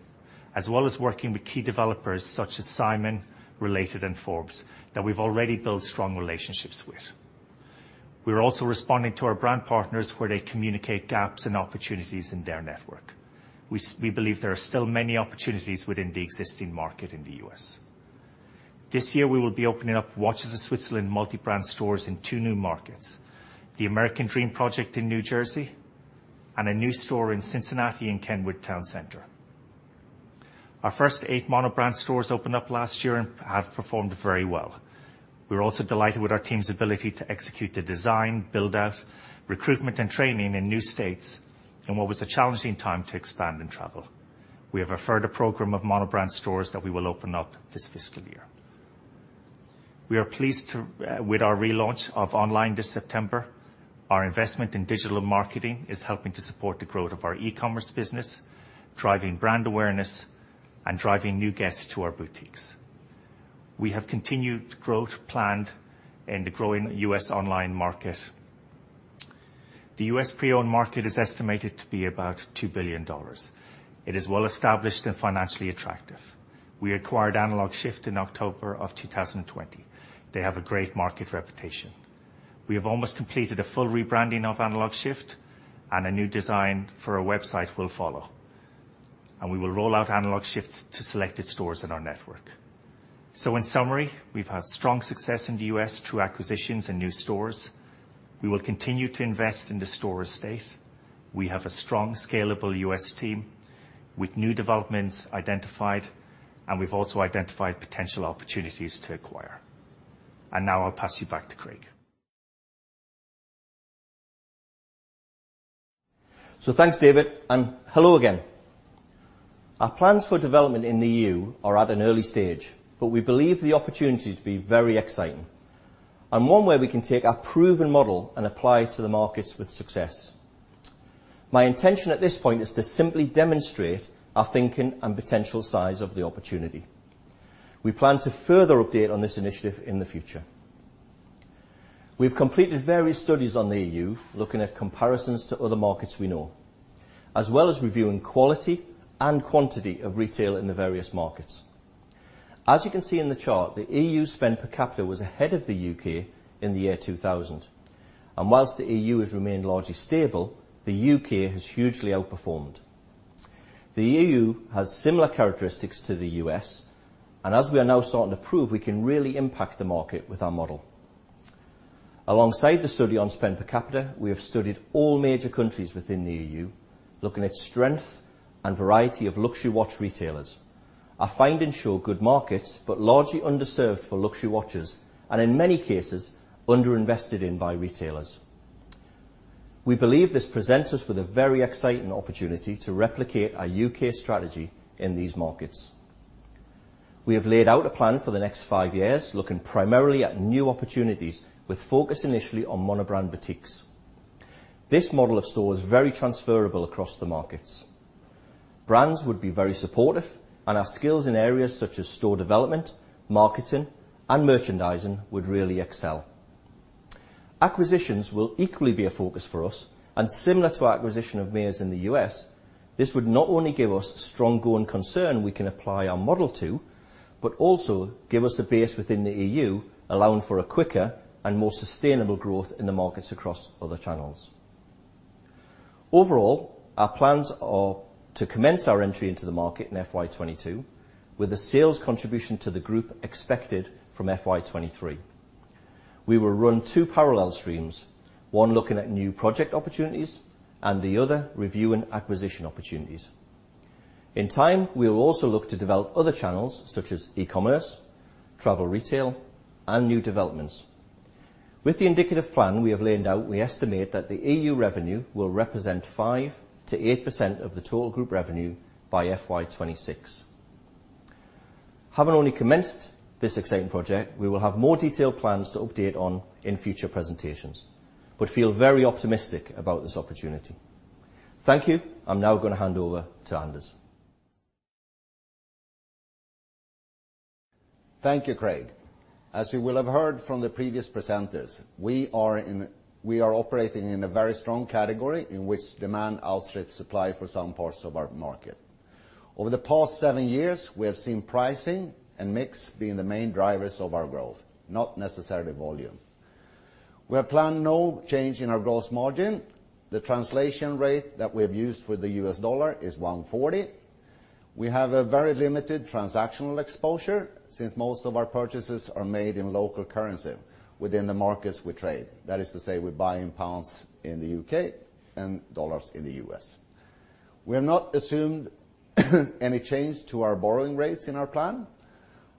as well as working with key developers such as Simon, Related, and Forbes that we've already built strong relationships with. We're also responding to our brand partners where they communicate gaps and opportunities in their network. We believe there are still many opportunities within the existing market in the U.S. This year, we will be opening up Watches of Switzerland multi-brand stores in two new markets, the American Dream project in New Jersey and a new store in Cincinnati in Kenwood Towne Centre. Our first eight monobrand stores opened up last year and have performed very well. We're also delighted with our team's ability to execute the design, build-out, recruitment, and training in new states in what was a challenging time to expand and travel. We have a further program of monobrand stores that we will open up this fiscal year. We are pleased with our relaunch of online this September. Our investment in digital marketing is helping to support the growth of our e-commerce business, driving brand awareness and driving new guests to our boutiques. We have continued growth planned in the growing U.S. online market. The U.S. pre-owned market is estimated to be about $2 billion. It is well-established and financially attractive. We acquired Analog:Shift in October of 2020. They have a great market reputation. We have almost completed a full rebranding of Analog:Shift and a new design for a website will follow, and we will roll out Analog:Shift to selected stores in our network. In summary, we've had strong success in the U.S. through acquisitions and new stores. We will continue to invest in the store estate. We have a strong scalable U.S. team with new developments identified, and we've also identified potential opportunities to acquire. Now I'll pass you back to Craig. Thanks, David, and hello again. Our plans for development in the E.U. are at an early stage, but we believe the opportunity to be very exciting and one where we can take our proven model and apply it to the markets with success. My intention at this point is to simply demonstrate our thinking and potential size of the opportunity. We plan to further update on this initiative in the future. We've completed various studies on the E.U., looking at comparisons to other markets we know, as well as reviewing quality and quantity of retail in the various markets. As you can see in the chart, the E.U. spend per capita was ahead of the U.K. in the year 2000. Whilst the E.U. has remained largely stable, the U.K. has hugely outperformed. The E.U. has similar characteristics to the U.S., and as we are now starting to prove, we can really impact the market with our model. Alongside the study on spend per capita, we have studied all major countries within the E.U., looking at strength and variety of luxury watch retailers. Our findings show good markets, but largely underserved for luxury watches, and in many cases, underinvested in by retailers. We believe this presents us with a very exciting opportunity to replicate our U.K. strategy in these markets. We have laid out a plan for the next five years, looking primarily at new opportunities with focus initially on monobrand boutiques. This model of store is very transferable across the markets. Brands would be very supportive, and our skills in areas such as store development, marketing, and merchandising would really excel. Acquisitions will equally be a focus for us. Similar to acquisition of Mayors in the U.S., this would not only give us strong going concern we can apply our model to, but also give us a base within the E.U., allowing for a quicker and more sustainable growth in the markets across other channels. Overall, our plans are to commence our entry into the market in FY 2022, with a sales contribution to the group expected from FY 2023. We will run two parallel streams, one looking at new project opportunities, and the other reviewing acquisition opportunities. In time, we'll also look to develop other channels such as e-commerce, travel retail, and new developments. With the indicative plan we have laid out, we estimate that the E.U. Revenue will represent 5%-8% of the total group revenue by FY 2026. Having only commenced this exciting project, we will have more detailed plans to update on in future presentations, but feel very optimistic about this opportunity. Thank you. I'm now going to hand over to Anders. Thank you, Craig. As you will have heard from the previous presenters, we are operating in a very strong category in which demand outstrips supply for some parts of our market. Over the past seven years, we have seen pricing and mix being the main drivers of our growth, not necessarily volume. We have planned no change in our gross margin. The translation rate that we've used for the US dollar is $140. We have a very limited transactional exposure since most of our purchases are made in local currency within the markets we trade. That is to say, we buy in pounds in the U.K. and dollars in the U.S. We have not assumed any change to our borrowing rates in our plan.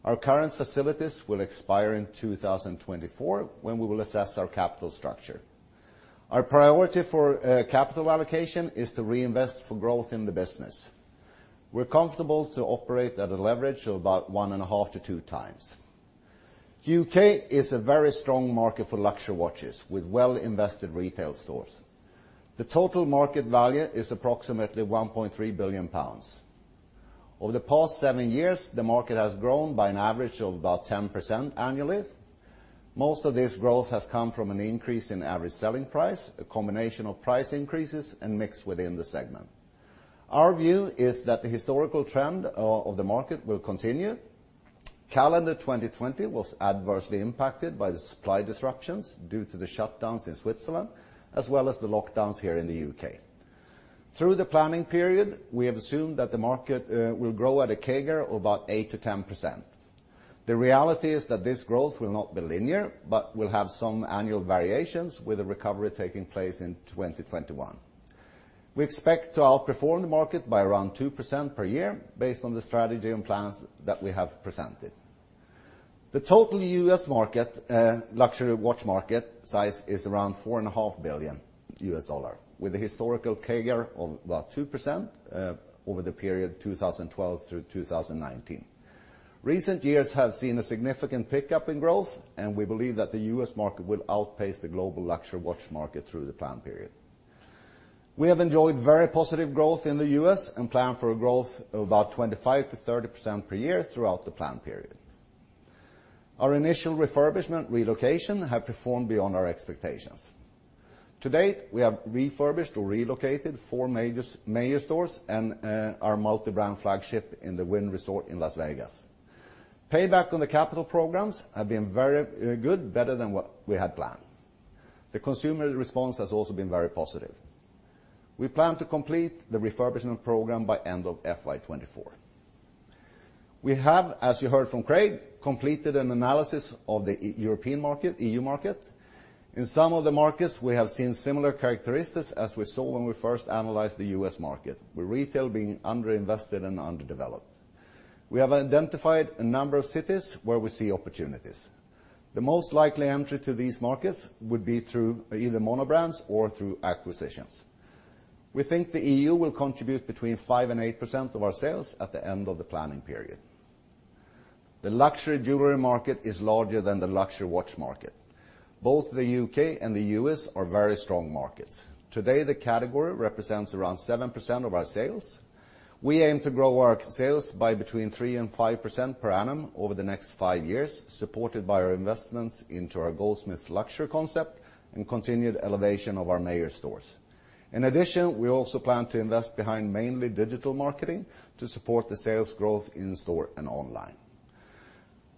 Our current facilities will expire in 2024 when we will assess our capital structure. Our priority for capital allocation is to reinvest for growth in the business. We're comfortable to operate at a leverage of about 1.5x-2x. U.K. is a very strong market for luxury watches with well-invested retail stores. The total market value is approximately 1.3 billion pounds. Over the past seven years, the market has grown by an average of about 10% annually. Most of this growth has come from an increase in average selling price, a combination of price increases, and mix within the segment. Our view is that the historical trend of the market will continue. Calendar 2020 was adversely impacted by the supply disruptions due to the shutdowns in Switzerland, as well as the lockdowns here in the U.K. Through the planning period, we have assumed that the market will grow at a CAGR of about 8%-10%. The reality is that this growth will not be linear, but will have some annual variations with a recovery taking place in 2021. We expect to outperform the market by around 2% per year based on the strategy and plans that we have presented. The total U.S. market, luxury watch market size is around $4.5 billion with a historical CAGR of about 2% over the period 2012 through 2019. Recent years have seen a significant pickup in growth, we believe that the U.S. market will outpace the global luxury watch market through the plan period. We have enjoyed very positive growth in the U.S. and plan for a growth of about 25%-30% per year throughout the plan period. Our initial refurbishment relocation have performed beyond our expectations. To date, we have refurbished or relocated four major stores and our multi-brand flagship in the Wynn Resort in Las Vegas. Payback on the capital programs have been very good, better than what we had planned. The consumer response has also been very positive. We plan to complete the refurbishment program by end of FY 2024. We have, as you heard from Craig, completed an analysis of the European market, E.U. market. In some of the markets, we have seen similar characteristics as we saw when we first analyzed the U.S. market, with retail being under-invested and underdeveloped. We have identified a number of cities where we see opportunities. The most likely entry to these markets would be through either monobrand or through acquisitions. We think the E.U. will contribute between 5% and 8% of our sales at the end of the planning period. The luxury jewelry market is larger than the luxury watch market. Both the U.K. and the U.S. are very strong markets. Today, the category represents around 7% of our sales. We aim to grow our sales by between 3% and 5% per annum over the next five years, supported by our investments into our Goldsmiths luxury concept and continued elevation of our major stores. In addition, we also plan to invest behind mainly digital marketing to support the sales growth in store and online.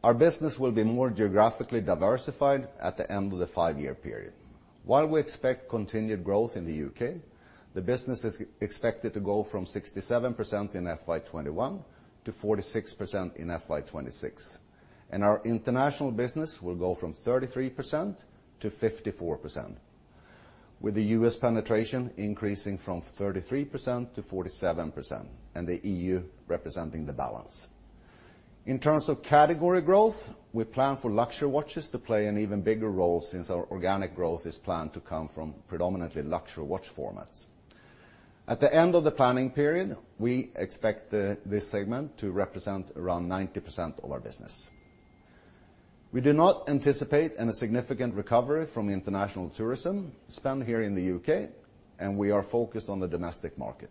Our business will be more geographically diversified at the end of the five-year period. While we expect continued growth in the U.K., the business is expected to go from 67% in FY 2021 to 46% in FY 2026, and our international business will go from 33%-54%, with the U.S. penetration increasing from 33%-47%, and the E.U. representing the balance. In terms of category growth, we plan for luxury watches to play an even bigger role since our organic growth is planned to come from predominantly luxury watch formats. At the end of the planning period, we expect this segment to represent around 90% of our business. We do not anticipate any significant recovery from international tourism spend here in the U.K., and we are focused on the domestic market.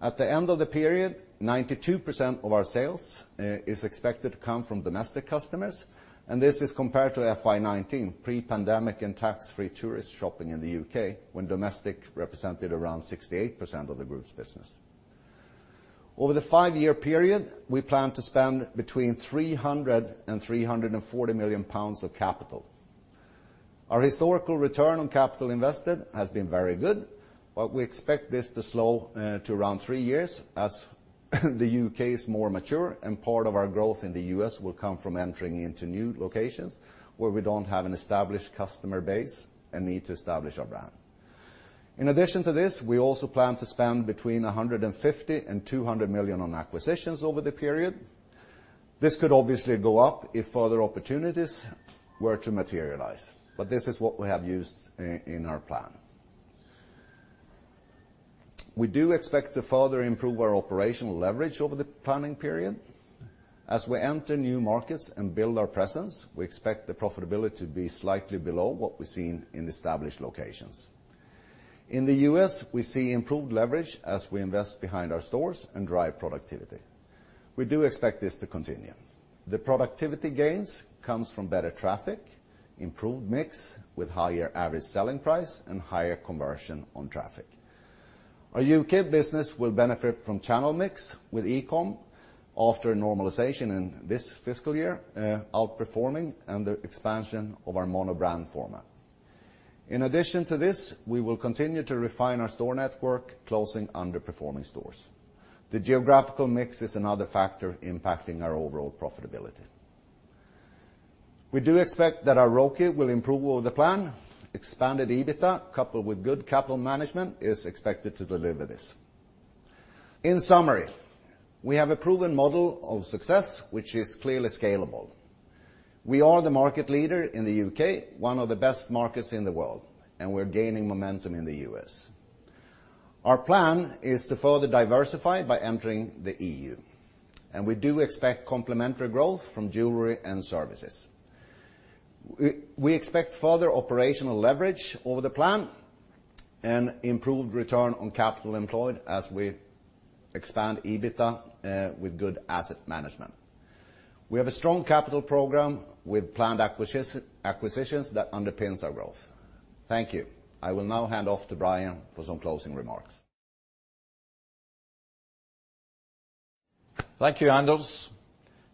At the end of the period, 92% of our sales is expected to come from domestic customers, and this is compared to FY 2019, pre-pandemic and tax-free tourist shopping in the U.K., when domestic represented around 68% of the group's business. Over the five-year period, we plan to spend between 300 million pounds and 340 million pounds of capital. Our historical return on capital invested has been very good. We expect this to slow to around three years as the U.K. is more mature and part of our growth in the U.S. will come from entering into new locations where we don't have an established customer base and need to establish our brand. In addition to this, we also plan to spend between 150 million and 200 million on acquisitions over the period. This could obviously go up if other opportunities were to materialize. This is what we have used in our plan. We do expect to further improve our operational leverage over the planning period. As we enter new markets and build our presence, we expect the profitability to be slightly below what we've seen in established locations. In the U.S., we see improved leverage as we invest behind our stores and drive productivity. We do expect this to continue. The productivity gains comes from better traffic, improved mix with higher average selling price, and higher conversion on traffic. Our U.K. business will benefit from channel mix with eCom after normalization in this fiscal year, outperforming and the expansion of our mono-brand format. In addition to this, we will continue to refine our store network closing underperforming stores. The geographical mix is another factor impacting our overall profitability. We do expect that our ROCE will improve over the plan. Expanded EBITDA, coupled with good capital management, is expected to deliver this. In summary, we have a proven model of success, which is clearly scalable. We are the market leader in the U.K., one of the best markets in the world, and we're gaining momentum in the U.S. Our plan is to further diversify by entering the E.U., and we do expect complementary growth from jewelry and services. We expect further operational leverage over the plan and improved return on capital employed as we expand EBITDA with good asset management. We have a strong capital program with planned acquisitions that underpins our growth. Thank you. I will now hand off to Brian for some closing remarks. Thank you, Anders.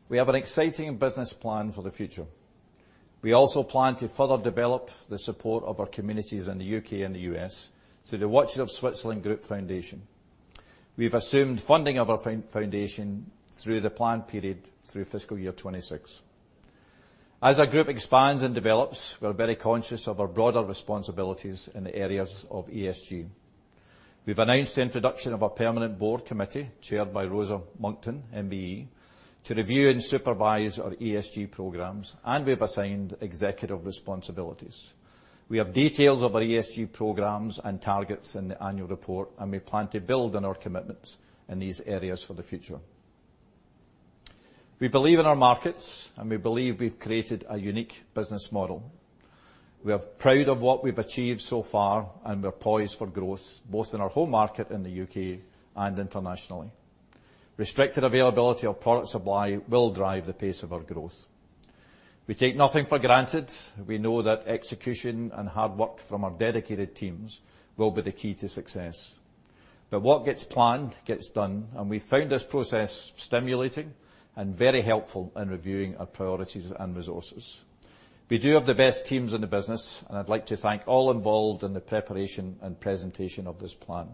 We have an exciting business plan for the future. We also plan to further develop the support of our communities in the U.K. and U.S. through the Watches of Switzerland Group Foundation. We've assumed funding of our foundation through the plan period through fiscal year 2026. As our group expands and develops, we're very conscious of our broader responsibilities in the areas of ESG. We've announced the introduction of a permanent board committee chaired by Rosa Monckton MBE to review and supervise our ESG programs, and we've assigned executive responsibilities. We have details of our ESG programs and targets in the annual report, and we plan to build on our commitment in these areas for the future. We believe in our markets, and we believe we've created a unique business model. We are proud of what we've achieved so far and we are poised for growth, both in our home market in the U.K. and internationally. Restricted availability of product supply will drive the pace of our growth. We take nothing for granted. We know that execution and hard work from our dedicated teams will be the key to success. What gets planned gets done, and we found this process stimulating and very helpful in reviewing our priorities and resources. We do have the best teams in the business, and I'd like to thank all involved in the preparation and presentation of this plan.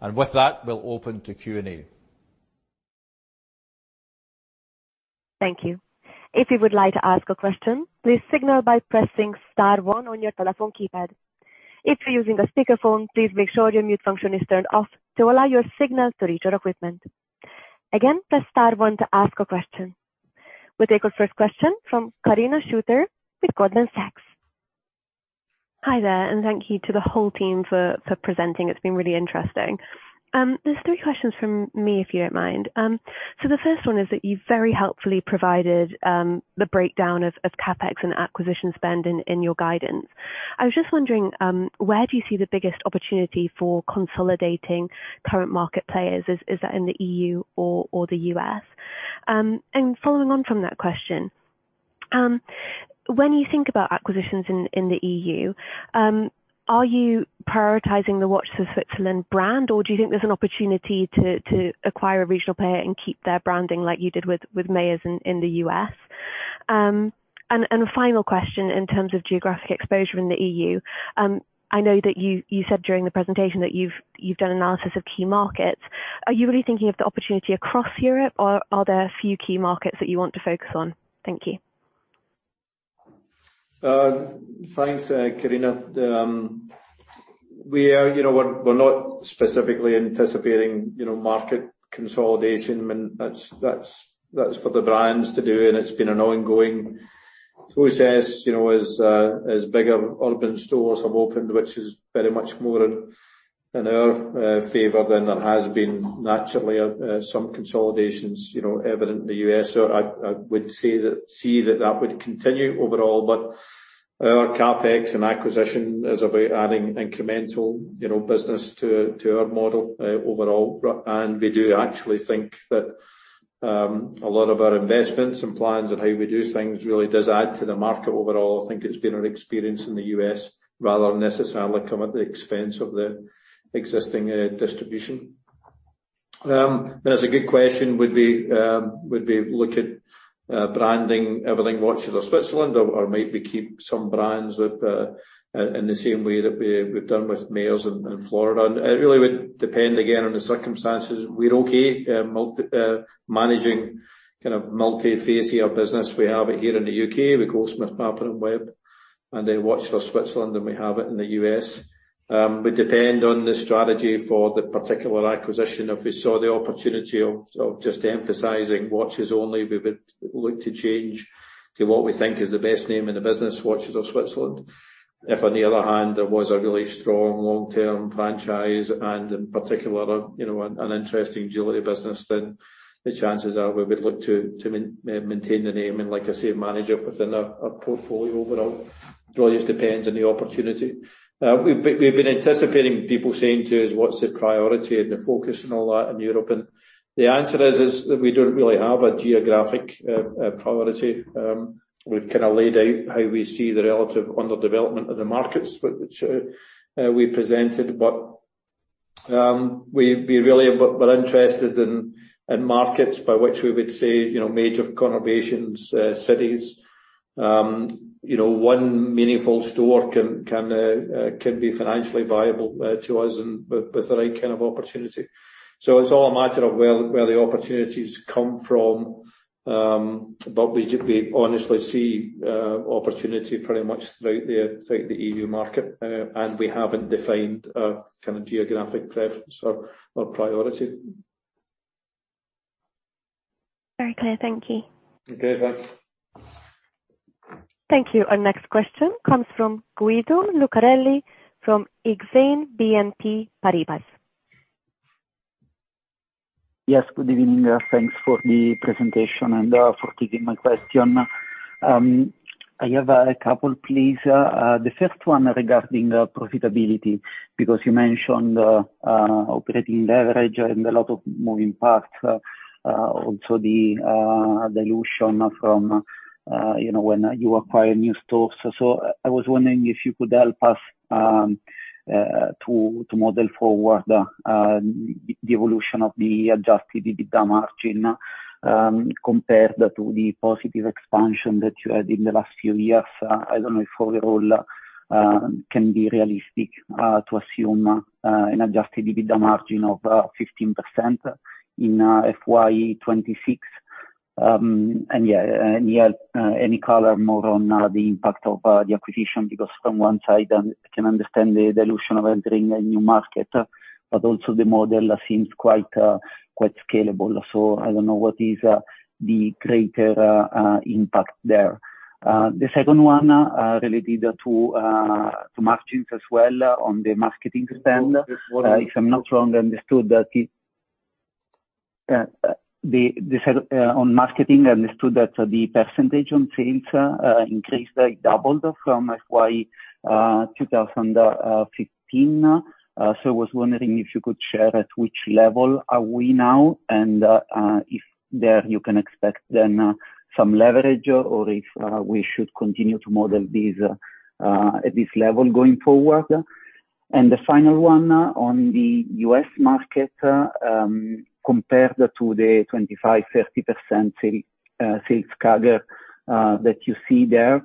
With that, we'll open to Q&A. Thank you. If you would like to ask a question, please signal by pressing star one on your telephone keypad. If you're using a speakerphone, please make sure your mute function is turned off to allow your signal to reach our equipment. Again, press star one to ask a question. We'll take our first question from Karina Shooter, Goldman Sachs. Hi there, thank you to the whole team for presenting. It's been really interesting. There's three questions from me, if you don't mind. The first one is that you very helpfully provided the breakdown of CapEx and acquisition spending in your guidance. I was just wondering, where do you see the biggest opportunity for consolidating current market players? Is that in the E.U. or the U.S.? Following on from that question, when you think about acquisitions in the E.U., are you prioritizing the Watches of Switzerland brand, or do you think there's an opportunity to acquire a regional player and keep their branding like you did with Mayors in the U.S.? A final question, in terms of geographic exposure in the E.U., I know that you said during the presentation that you've done analysis of key markets. Are you really thinking there's the opportunity across Europe, or are there a few key markets that you want to focus on? Thank you. Thanks, Karina. We're not specifically anticipating market consolidation. That's for the brands to do, and it's been an ongoing process, as bigger urban stores have opened, which is very much more in our favor than there has been naturally some consolidations evident in the U.S. I would say that I see that would continue overall. Our CapEx and acquisition is about adding incremental business to our model overall. We do actually think that a lot of our investments and plans of how we do things really does add to the market overall. I think it's been our experience in the U.S. rather than necessarily come at the expense of the existing distribution. That's a good question. Would we look at branding everything Watches of Switzerland or might we keep some brands up in the same way that we've done with Mayors in Florida? It really would depend again on the circumstances. We're okay managing kind of multi-fascia business. We have it here in the U.K. with Goldsmiths, Mappin & Webb, and then Watches of Switzerland, and we have it in the U.S. Would depend on the strategy for the particular acquisition. If we saw the opportunity of just emphasizing watches only, we would look to change to what we think is the best name in the business, Watches of Switzerland. If on the other hand, there was a really strong long-term franchise and in particular an interesting jewelry business, then the chances are we would look to maintain the name and like I say, manage it within a portfolio overall. It just depends on the opportunity. We've been anticipating people saying to us what's the priority and the focus and all that in Europe. The answer is that we don't really have a geographic priority. We've kind of laid out how we see the relative underdevelopment of the markets which we presented. We really we're interested in markets by which we would say major conurbations, cities. One meaningful store can be financially viable to us and with the right kind of opportunity. It's all a matter of where the opportunities come from. We honestly see opportunity pretty much throughout the EU market, and we haven't defined a kind of geographic preference or priority. Okay, thank you. Okay, thanks. Thank you. Our next question comes from Guido Lucarelli from Exane BNP Paribas. Yes, good evening. Thanks for the presentation and for taking my question. I have a couple, please. The first one regarding profitability, because you mentioned operating leverage and a lot of moving parts. Also the dilution from when you acquire new stores. I was wondering if you could help us to model forward the evolution of the adjusted EBITDA margin compared to the positive expansion that you had in the last few years. I don't know if overall can be realistic to assume an adjusted EBITDA margin of 15% in FY 2026. Any color more on the impact of the acquisition, because from one side I can understand the dilution of entering a new market, but also the model seems quite scalable. I don't know what is the greater impact there. The second one related to margins as well on the marketing spend. If I'm not wrong, I understood that on marketing, the percentage on sales increased like doubled from FY 2015. I was wondering if you could share at which level are we now and if there you can expect then some leverage or if we should continue to model this at this level going forward. The final one on the U.S. market compared to the 25%-30% sales category that you see there,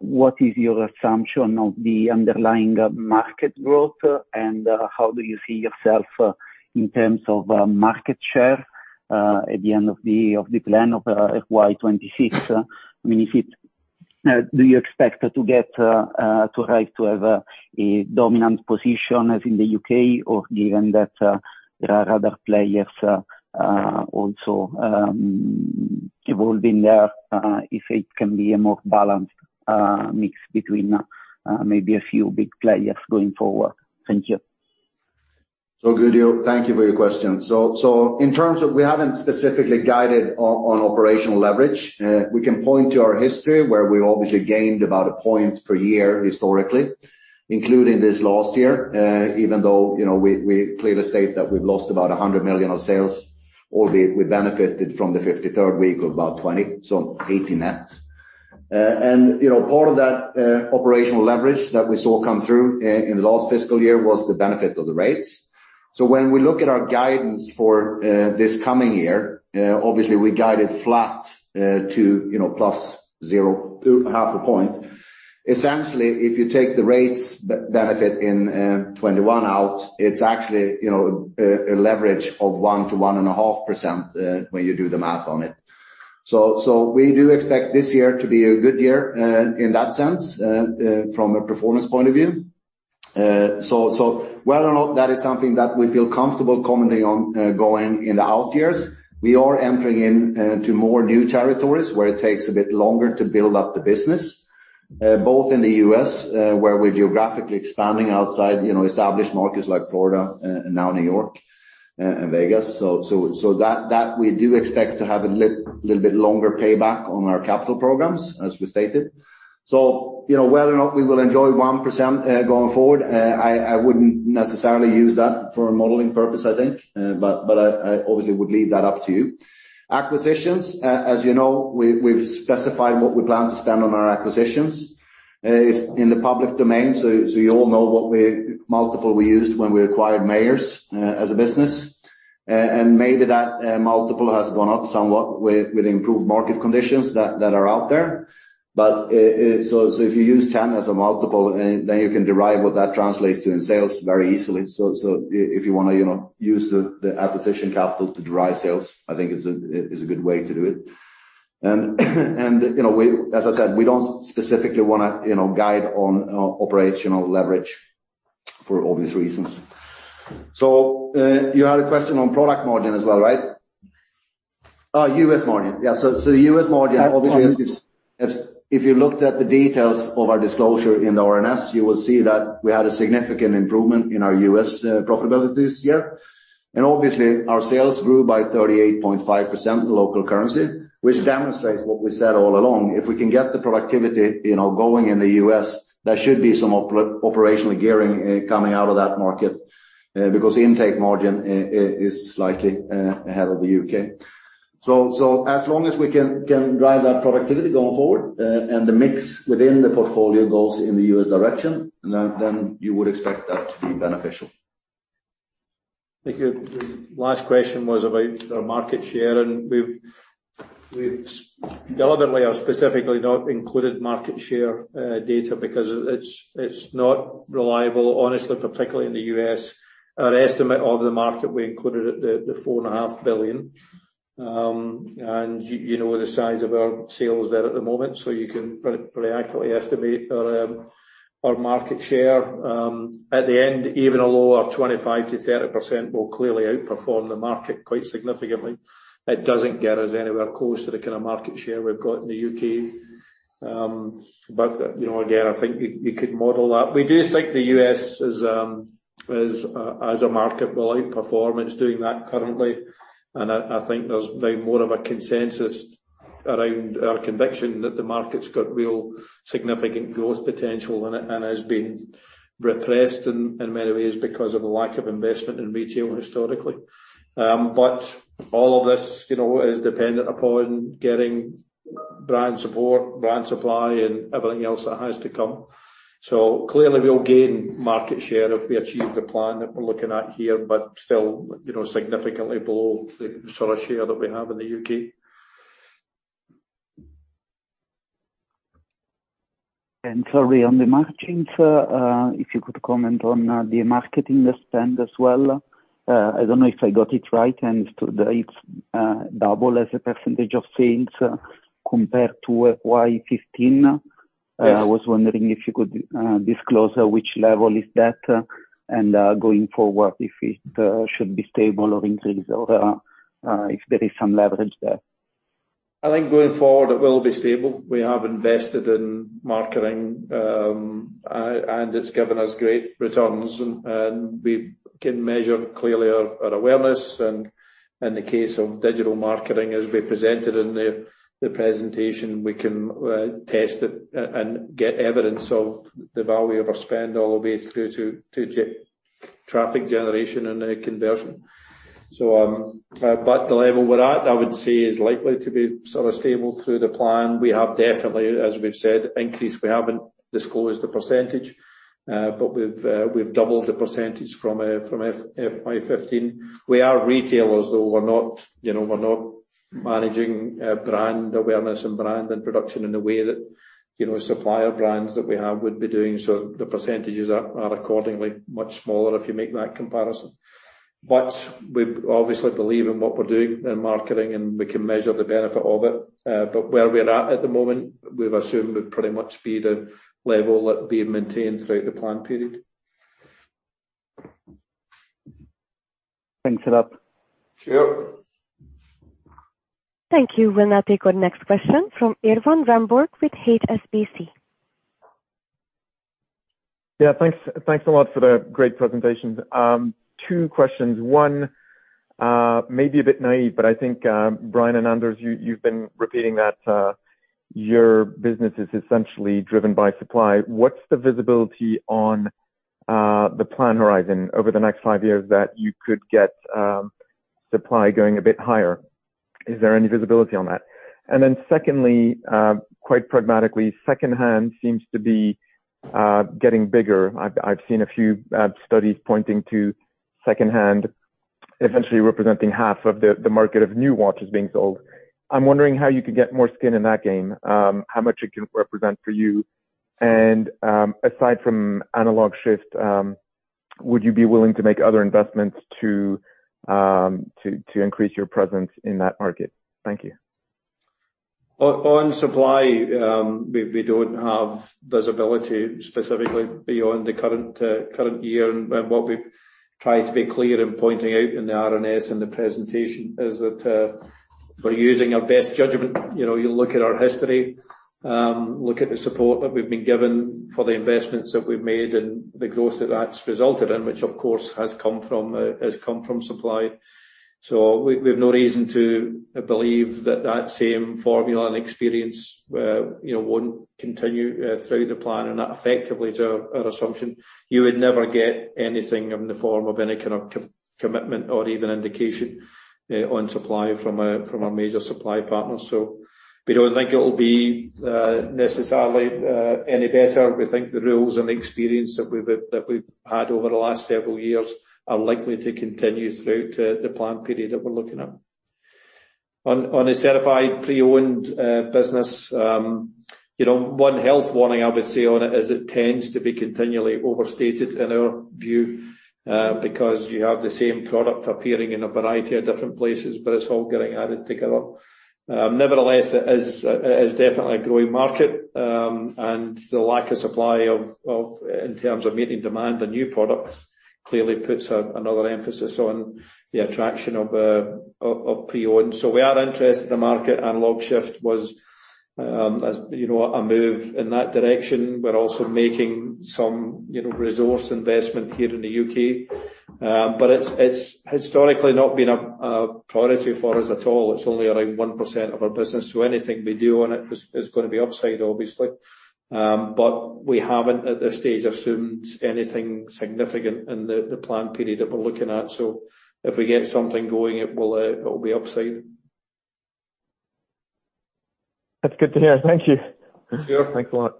what is your assumption of the underlying market growth and how do you see yourself in terms of market share at the end of the plan of FY 2026? I mean, do you expect to get to have a dominant position as in the U.K. or given that there are other players also evolving there if it can be a more balanced mix between maybe a few big players going forward? Thank you. Guido, thank you for your question. We haven't specifically guided on operational leverage. We can point to our history where we obviously gained about a point per year historically, including this last year. Even though we clearly state that we've lost about 100 million of sales, albeit we benefited from the 53rd week of about 20 million, so 18 million net. Part of that operational leverage that we saw come through in last fiscal year was the benefit of the rates. When we look at our guidance for this coming year, obviously we guided flat to +0.5 points. Essentially, if you take the rates benefit in 2021 out, it's actually a leverage of 1%-1.5% when you do the math on it. We do expect this year to be a good year in that sense from a performance point of view. Whether or not that is something that we feel comfortable commenting on going in the out years, we are entering into more new territories where it takes a bit longer to build up the business. Both in the U.S., where we're geographically expanding outside established markets like Florida and now New York and Vegas. That we do expect to have a little bit longer payback on our capital programs, as we stated. Whether or not we will enjoy 1% going forward, I wouldn't necessarily use that for a modeling purpose, I think, but I obviously would leave that up to you. Acquisitions, as you know, we've specified what we plan to spend on our acquisitions. It's in the public domain, so you all know what multiple we used when we acquired Mayors as a business. Maybe that multiple has gone up somewhat with improved market conditions that are out there. If you use 10 as a multiple, then you can derive what that translates to in sales very easily. If you want to use the acquisition capital to derive sales, I think it's a good way to do it. As I said, we don't specifically want to guide on operational leverage for obvious reasons. You had a question on product margin as well, right? U.S. margin. Yeah. U.S. margin, obviously, if you looked at the details of our disclosure in the RNS, you will see that we had a significant improvement in our U.S. profitability this year. Obviously, our sales grew by 38.5% local currency, which demonstrates what we said all along. If we can get the productivity going in the U.S., there should be some operational gearing coming out of that market, because intake margin is slightly ahead of the U.K. As long as we can drive that productivity going forward, and the mix within the portfolio goes in the U.S. direction, then you would expect that to be beneficial. I think the last question was about our market share, and we've deliberately or specifically not included market share data because it's not reliable honestly, particularly in the U.S. Our estimate of the market we included at the $4.5 billion. You know the size of our sales there at the moment, so you can pretty accurately estimate our market share. At the end, even although our 25%-30% will clearly outperform the market quite significantly, it doesn't get us anywhere close to the kind of market share we've got in the U.K. Again, I think you could model that. We do think the U.S. as a market will outperform what it's doing that currently. I think there's now more of a consensus around our conviction that the market's got real significant growth potential in it and has been repressed in many ways because of a lack of investment in retail historically. All of this is dependent upon getting brand support, brand supply, and everything else that has to come. Clearly, we'll gain market share if we achieve the plan that we're looking at here, but still significantly below the sort of share that we have in the U.K. Sorry, on the margins, if you could comment on the marketing spend as well. I don't know if I got it right, understood that it's double as a % of sales compared to FY 2015. Yes. I was wondering if you could disclose at which level is that and, going forward, if it should be stable or increase or if there is some leverage there. I think going forward, it will be stable. We have invested in marketing, it's given us great returns, and we can measure clearly our awareness. In the case of digital marketing, as we presented in the presentation, we can test it and get evidence of the value of our spend all the way through to traffic generation and conversion. The level we're at, I would say, is likely to be sort of stable through the plan. We have definitely, as we've said, increased. We haven't disclosed the percentage, but we've doubled the percentage from FY 2015. We are retailers, though. We're not managing brand awareness and brand introduction in the way that supplier brands that we have would be doing so. The percentages are accordingly much smaller if you make that comparison. We obviously believe in what we're doing in marketing, and we can measure the benefit of it. Where we're at at the moment, we've assumed would pretty much be the level that we maintain throughout the plan period. Thanks for that. Sure. Thank you. We'll now take our next question from Erwan Rambourg with HSBC. Thanks a lot for the great presentation. Two questions. One may be a bit naive, but I think Brian and Anders, you've been repeating that your business is essentially driven by supply. What's the visibility on the plan horizon over the next five years that you could get supply going a bit higher? Is there any visibility on that? Secondly, quite pragmatically, second-hand seems to be getting bigger. I've seen a few studies pointing to second-hand essentially representing half of the market of new watches being sold. I'm wondering how you can get more skin in that game, how much it can represent for you, and aside from Analog:Shift, would you be willing to make other investments to increase your presence in that market? Thank you. On supply, we don't have visibility specifically beyond the current year. What we've tried to be clear in pointing out in the RNS and the presentation is that. We're using our best judgment. You look at our history, look at the support that we've been given for the investments that we've made and the growth that's resulted in, which of course has come from supply. We've no reason to believe that same formula and experience won't continue through the plan, and that effectively is our assumption. You would never get anything in the form of any kind of commitment or even indication on supply from a major supply partner. We don't think it will be necessarily any better. We think the rules and experience that we've had over the last several years are likely to continue throughout the plan period that we're looking at. On the certified pre-owned business, one health warning I would say on it is it tends to be continually overstated in our view, because you have the same product appearing in a variety of different places, but it's all getting added together. It is definitely a growing market, and the lack of supply in terms of meeting demand on new products clearly puts another emphasis on the attraction of pre-owned. We are interested in the market and Analog:Shift was a move in that direction. We're also making some resource investment here in the U.K., but it's historically not been a priority for us at all. It's only around 1% of our business, so anything we do on it is going to be upside, obviously. We haven't at this stage assumed anything significant in the plan period that we're looking at. If we get something going, it will be upside. That's good to hear. Thank you. Sure. Thanks a lot.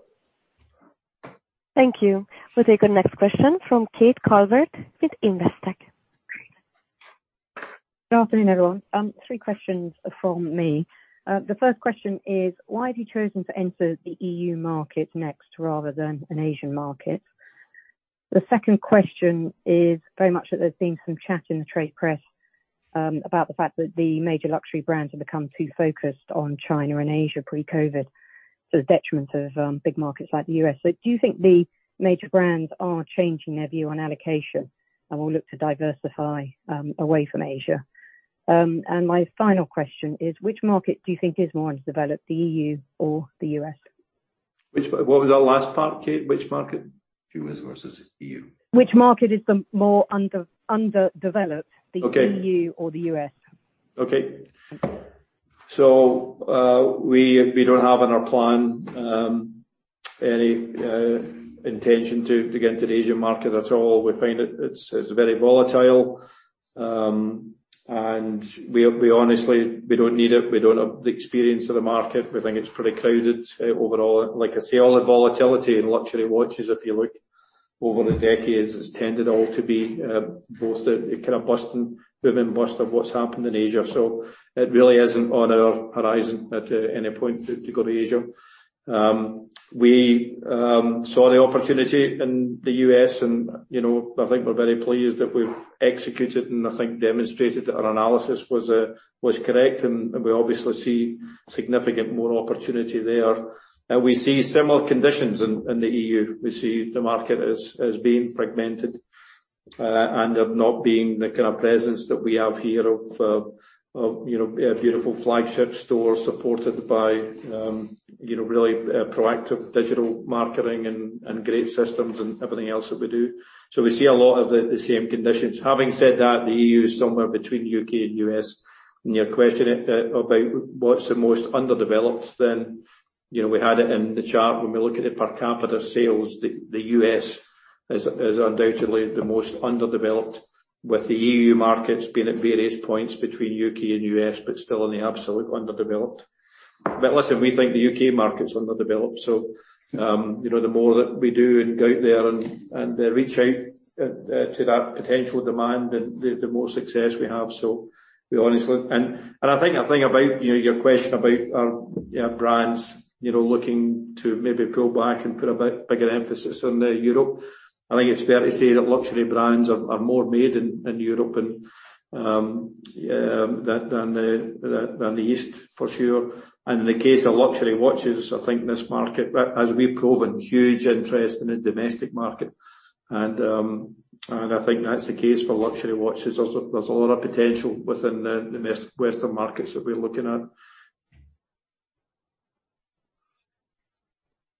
Thank you. We'll take our next question from Kate Calvert with Investec. Good afternoon, everyone. Three questions from me. The first question is, why have you chosen to enter the E.U. market next rather than an Asian market? The second question is very much that there's been some chat in the trade press about the fact that the major luxury brands have become too focused on China and Asia pre-COVID, to the detriment of big markets like the U.S. Do you think the major brands are changing their view on allocation and will look to diversify away from Asia? My final question is, which market do you think is more underdeveloped, the E.U. or the U.S.? What was that last part, Kate Calvert? Which market. U.S. versus E.U.? Which market is the more underdeveloped? Okay. The EU or the U.S.? Okay. We don't have in our plan any intention to get into the Asian market at all. We find it's very volatile. We honestly don't need it. We don't have the experience of the market. We think it's pretty crowded overall. Like I say, all the volatility in luxury watches, if you look over the decades, has tended all to be kind of boom and bust of what's happened in Asia. It really isn't on our horizon at any point to go to Asia. We saw the opportunity in the U.S. and I think we're very pleased that we've executed and I think demonstrated that our analysis was correct, and we obviously see significant more opportunity there. We see similar conditions in the E.U. We see the market as being fragmented, and of not being the kind of presence that we have here of a beautiful flagship store supported by really proactive digital marketing and great systems and everything else that we do. We see a lot of the same conditions. Having said that, the E.U. is somewhere between the U.K. and U.S. Your question about what's the most underdeveloped then, we had it in the chart when we look at it per capita sales, the U.S. is undoubtedly the most underdeveloped, with the E.U. markets being at various points between U.K. and U.S., but still in the absolute underdeveloped. Listen, we think the U.K. market's underdeveloped, so the more that we do and get out there and reach out to that potential demand, the more success we have. We honestly And I think about your question about our brands looking to maybe go back and put a bit bigger emphasis on Europe. I think it's fair to say that luxury brands are more made in Europe than the East for sure. In the case of luxury watches, I think this market, as we've proven, huge interest in the domestic market. I think that's the case for luxury watches. There's a lot of potential within the Western markets that we're looking at.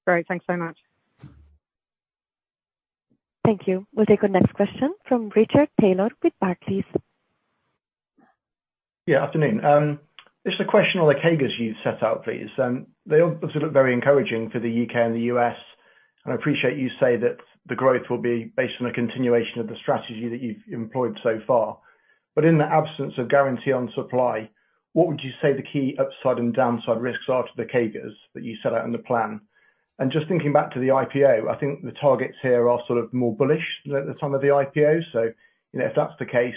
Great. Thanks very much. Thank you. We will take our next question from Richard Taylor with Barclays. Afternoon. Just a question on the CAGRs you set out, please. They obviously look very encouraging for the U.K. and the U.S. I appreciate you say that the growth will be based on the continuation of the strategy that you've employed so far. In the absence of guarantee on supply, what would you say the key upside and downside risks are to the CAGRs that you set out in the plan? Just thinking back to the IPO, I think the targets here are sort of more bullish than at the time of the IPO. If that's the case,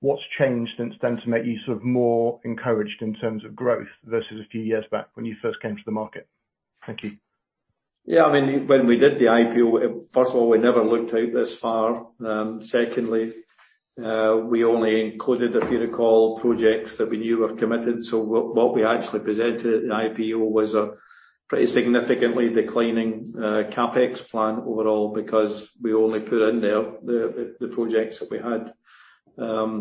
what's changed since then to make you sort of more encouraged in terms of growth versus a few years back when you first came to the market? Thank you. When we did the IPO, first of all, we never looked out this far. Secondly, we only included, if you recall, projects that we knew were committed. What we actually presented at an IPO was a pretty significantly declining CapEx plan overall because we only put in there the projects that we had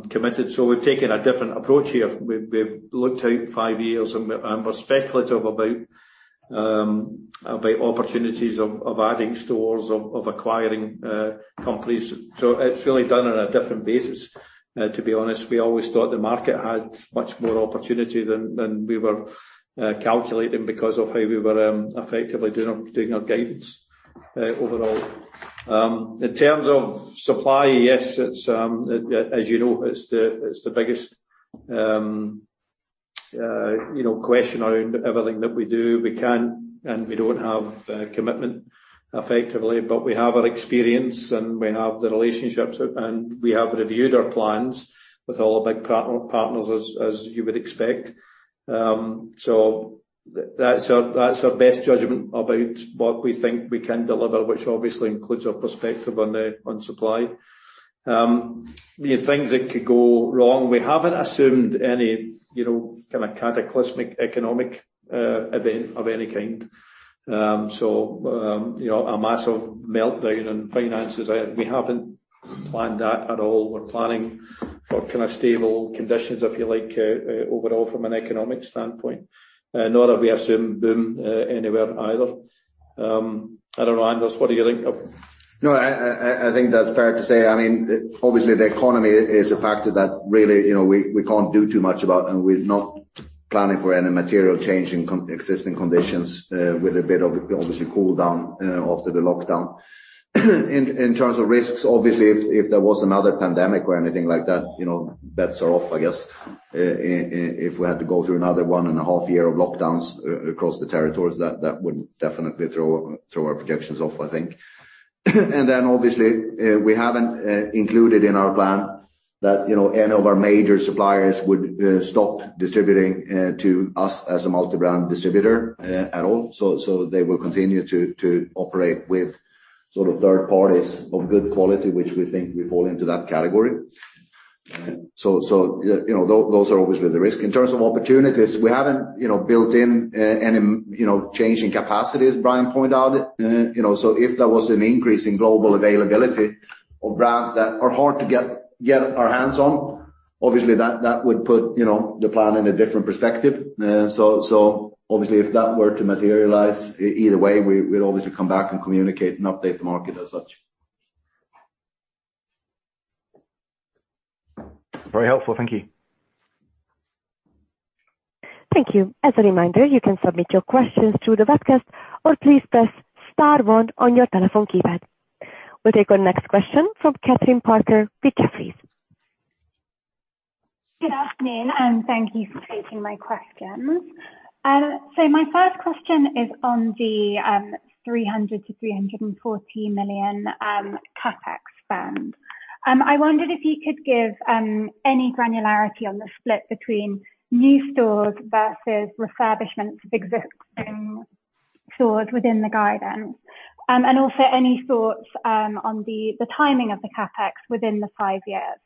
committed. We've taken a different approach here. We've looked out five years and we're speculative about opportunities of adding stores, of acquiring companies. It's really done on a different basis, to be honest. We always thought the market had much more opportunity than we were calculating because of how we were effectively doing our guidance overall. In terms of supply, yes, as you know, it's the biggest question around everything that we do. We can't and we don't have commitment effectively, but we have our experience, and we have the relationships, and we have reviewed our plans with all the big partner partners, as you would expect. That's our best judgment about what we think we can deliver, which obviously includes our perspective on supply. Things that could go wrong. We haven't assumed any kind of cataclysmic economic event of any kind. A massive meltdown in finances. We haven't planned that at all. We're planning for stable conditions, if you like, overall, from an economic standpoint. Nor have we assumed boom anywhere either. I don't know, Anders, what do you think? No, I think that's fair to say. Obviously, the economy is a factor that really we can't do too much about, and we're not planning for any material change in existing conditions with a bit of, obviously, cool down after the lockdown. In terms of risks, obviously, if there was another pandemic or anything like that's off, I guess. If we had to go through another one and a half year of lockdowns across the territories, that would definitely throw our projections off, I think. Obviously, we haven't included in our plan that any of our major suppliers would stop distributing to us as a multi-brand distributor at all. They will continue to operate with third parties of good quality, which we think we fall into that category. Those are obviously the risks. In terms of opportunities, we haven't built in any change in capacity, as Brian pointed out. If there was an increase in global availability of brands that are hard to get our hands on, obviously that would put the plan in a different perspective. Obviously, if that were to materialize, either way, we'd obviously come back and communicate and update the market as such. Very helpful. Thank you. Thank you. As a reminder, you can submit your questions through the webcast or please press star one on your telephone keypad. We will take the next question from Kathryn Parker with Jefferies. Good afternoon. Thank you for taking my questions. My first question is on the 300 million-340 million CapEx spend. I wondered if you could give any granularity on the split between new stores versus refurbishment of existing stores within the guidance and also any thoughts on the timing of the CapEx within the five years.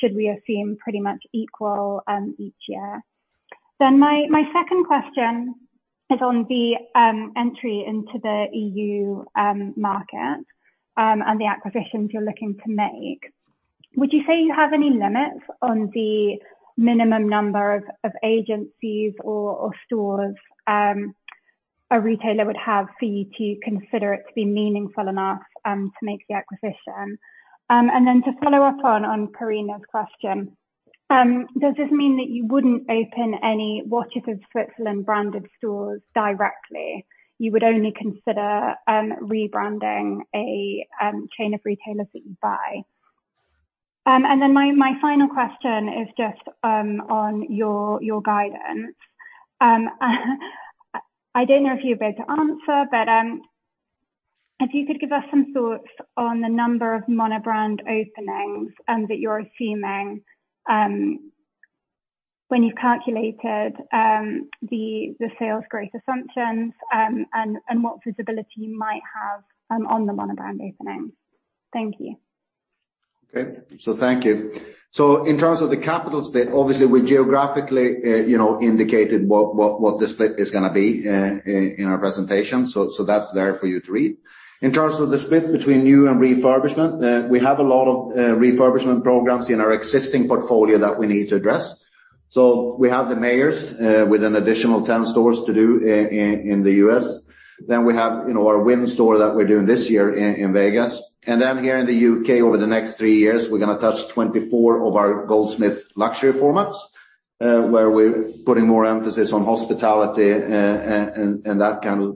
Should we assume pretty much equal each year? My second question is on the entry into the E.U. market and the acquisitions you're looking to make. Would you say you have any limits on the minimum number of agencies or stores a retailer would have for you to consider it to be meaningful enough to make the acquisition? To follow up on Karina's question, does this mean that you wouldn't open any Watches of Switzerland branded stores directly? You would only consider rebranding a chain of retailers that you buy? My final question is just on your guidance. I don't know if you're going to answer, but if you could give us some thoughts on the number of monobrand openings that you're assuming when you calculated the sales growth assumptions and what visibility you might have on the monobrand openings. Thank you. Thank you. In terms of the capital split, obviously we geographically indicated what the split is going to be in our presentation. That's there for you to read. In terms of the split between new and refurbishment, we have a lot of refurbishment programs in our existing portfolio that we need to address. We have the Mayors with an additional 10 stores to do in the U.S. We have our Wynn store that we're doing this year in Vegas. Here in the U.K. over the next three years, we're going to touch 24 of our Goldsmiths luxury formats, where we're putting more emphasis on hospitality and that kind of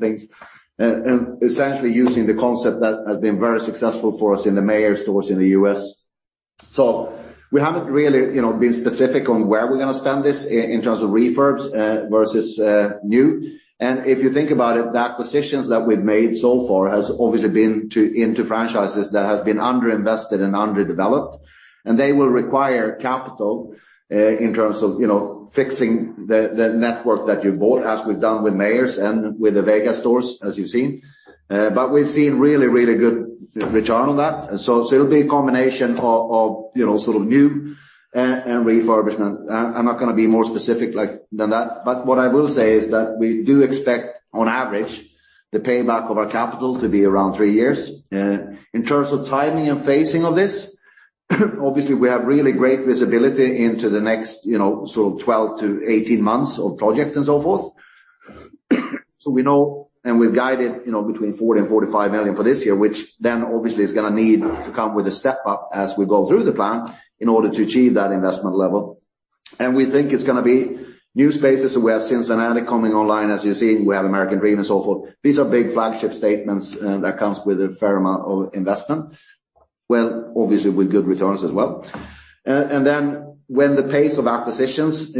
things. Essentially using the concept that has been very successful for us in the Mayors stores in the U.S. We haven't really been specific on where we're going to spend this in terms of refurbs versus new. If you think about it, the acquisitions that we've made so far has obviously been into franchises that have been under-invested and underdeveloped. They will require capital in terms of fixing the network that you bought, as we've done with Mayors and with the Vegas stores, as you've seen. We've seen really good return on that. It'll be a combination of new and refurbishment. I'm not going to be more specific than that. What I will say is that we do expect, on average, the payback of our capital to be around three years. In terms of timing and phasing of this, obviously we have really great visibility into the next 12-18 months of projects and so forth. We know, and we've guided between 40 million and 45 million for this year, which then obviously is going to need to come with a step-up as we go through the plan in order to achieve that investment level. We think it's going to be new spaces. We have Cincinnati coming online, as you see. We have American Dream and so forth. These are big flagship statements that come with a fair amount of investment. Well, obviously with good returns as well. Then when the pace of acquisitions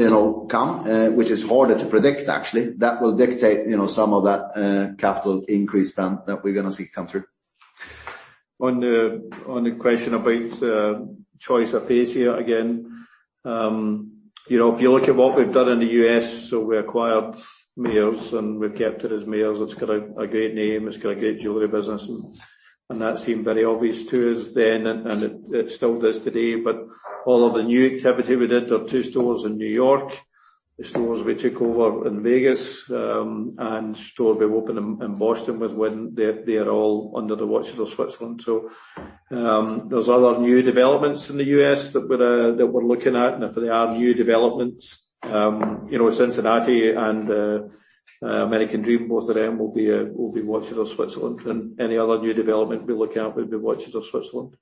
come, which is harder to predict actually, that will dictate some of that capital increase spend that we're going to see come through. On the question about choice of fascia again. If you look at what we've done in the U.S., we acquired Mayors and we've kept it as Mayors. It's got a great name, it's got a great jewelry business that seemed very obvious to us then and it still does today. All of the new activity we did, our two stores in New York, the stores we took over in Vegas and store we opened in Boston, they are all under the Watches of Switzerland. There's other new developments in the U.S. that we're looking at and if there are new developments, Cincinnati and American Dream, both of them will be Watches of Switzerland and any other new development we look at will be Watches of Switzerland.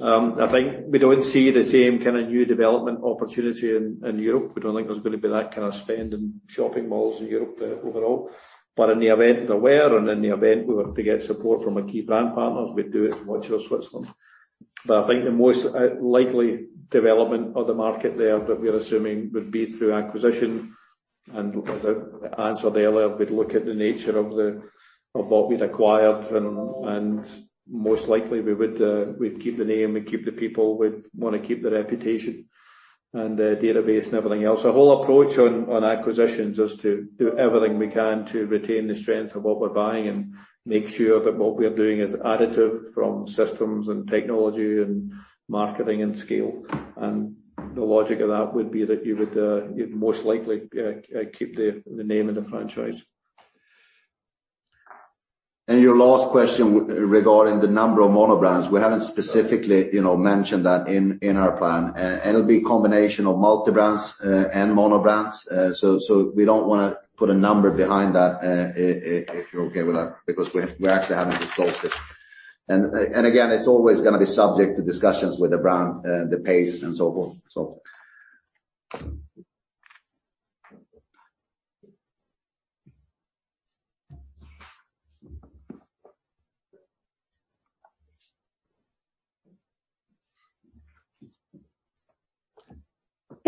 I think we don't see the same kind of new development opportunity in Europe. We don't think there's going to be that kind of spend in shopping malls in Europe overall. In the event there were and in the event we were to get support from a key brand partners, we'd do it as Watches of Switzerland. I think the most likely development of the market there that we are assuming would be through acquisition and as I answered earlier, we'd look at the nature of what we'd acquired and most likely we'd keep the name, we'd keep the people, we'd want to keep the reputation and the database and everything else. Our whole approach on acquisitions is to do everything we can to retain the strength of what we're buying and make sure that what we are doing is additive from systems and technology and marketing and scale. The logic of that would be that you'd most likely keep the name and the franchise. Your last question regarding the number of monobrands. We haven't specifically mentioned that in our plan. It'll be a combination of multi-brands and monobrands. We don't want to put a number behind that, if you're okay with that, because we actually haven't discussed it. Again, it's always going to be subject to discussions with the brand and the pace and so forth.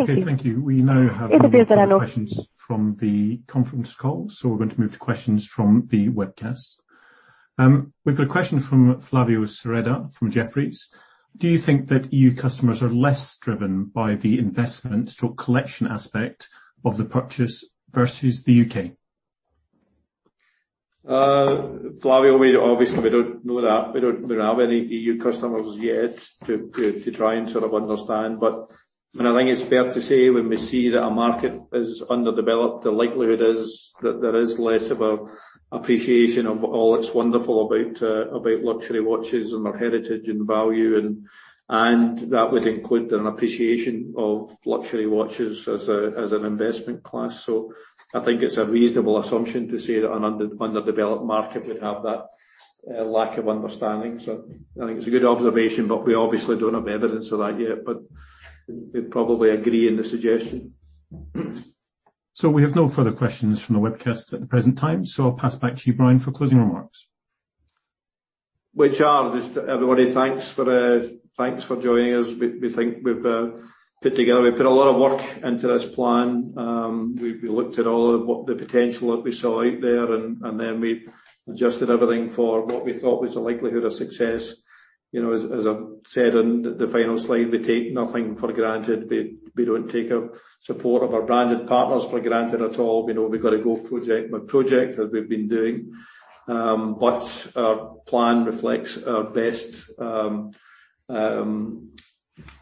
Okay, thank you. It appears there are no questions.... We now have no more questions from the conference call. We're going to move to questions from the webcast. We have a question from Flavio Cereda from Jefferies. Do you think that EU customers are less driven by the investment or collection aspect of the purchase versus the U.K.? Flavio Cereda, obviously we don't know that. We don't have any E.U. customers yet to try and sort of understand. I think it's fair to say when we see that a market is underdeveloped, the likelihood is that there is less of an appreciation of all that's wonderful about luxury watches and their heritage and value and that would include an appreciation of luxury watches as an investment class. I think it's a reasonable assumption to say that an underdeveloped market would have that lack of understanding. I think it's a good observation, but we obviously don't have evidence of that yet. We'd probably agree in the suggestion. We have no further questions from the webcast at the present time. I'll pass back to you, Brian, for closing remarks. Everybody, thanks for joining us. We think we put a lot of work into this plan. We looked at all the potential that we saw out there, and then we adjusted everything for what we thought was the likelihood of success. As I've said on the final slide, we take nothing for granted. We don't take our support of our branded partners for granted at all. We've got to go project by project as we've been doing. Our plan reflects our best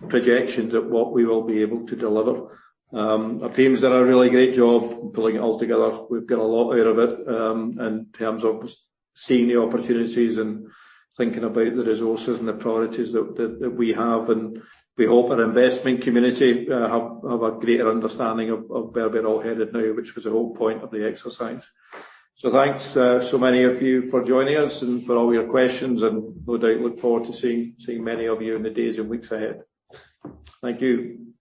projections of what we will be able to deliver. Our team has done a really great job pulling it all together. We've got a lot out of it in terms of seeing the opportunities and thinking about the resources and authorities that we have and we hope our investment community have a greater understanding of where we're all headed now, which was the whole point of the exercise. Thanks so many of you for joining us and for all your questions, and no doubt look forward to seeing many of you in the days and weeks ahead. Thank you.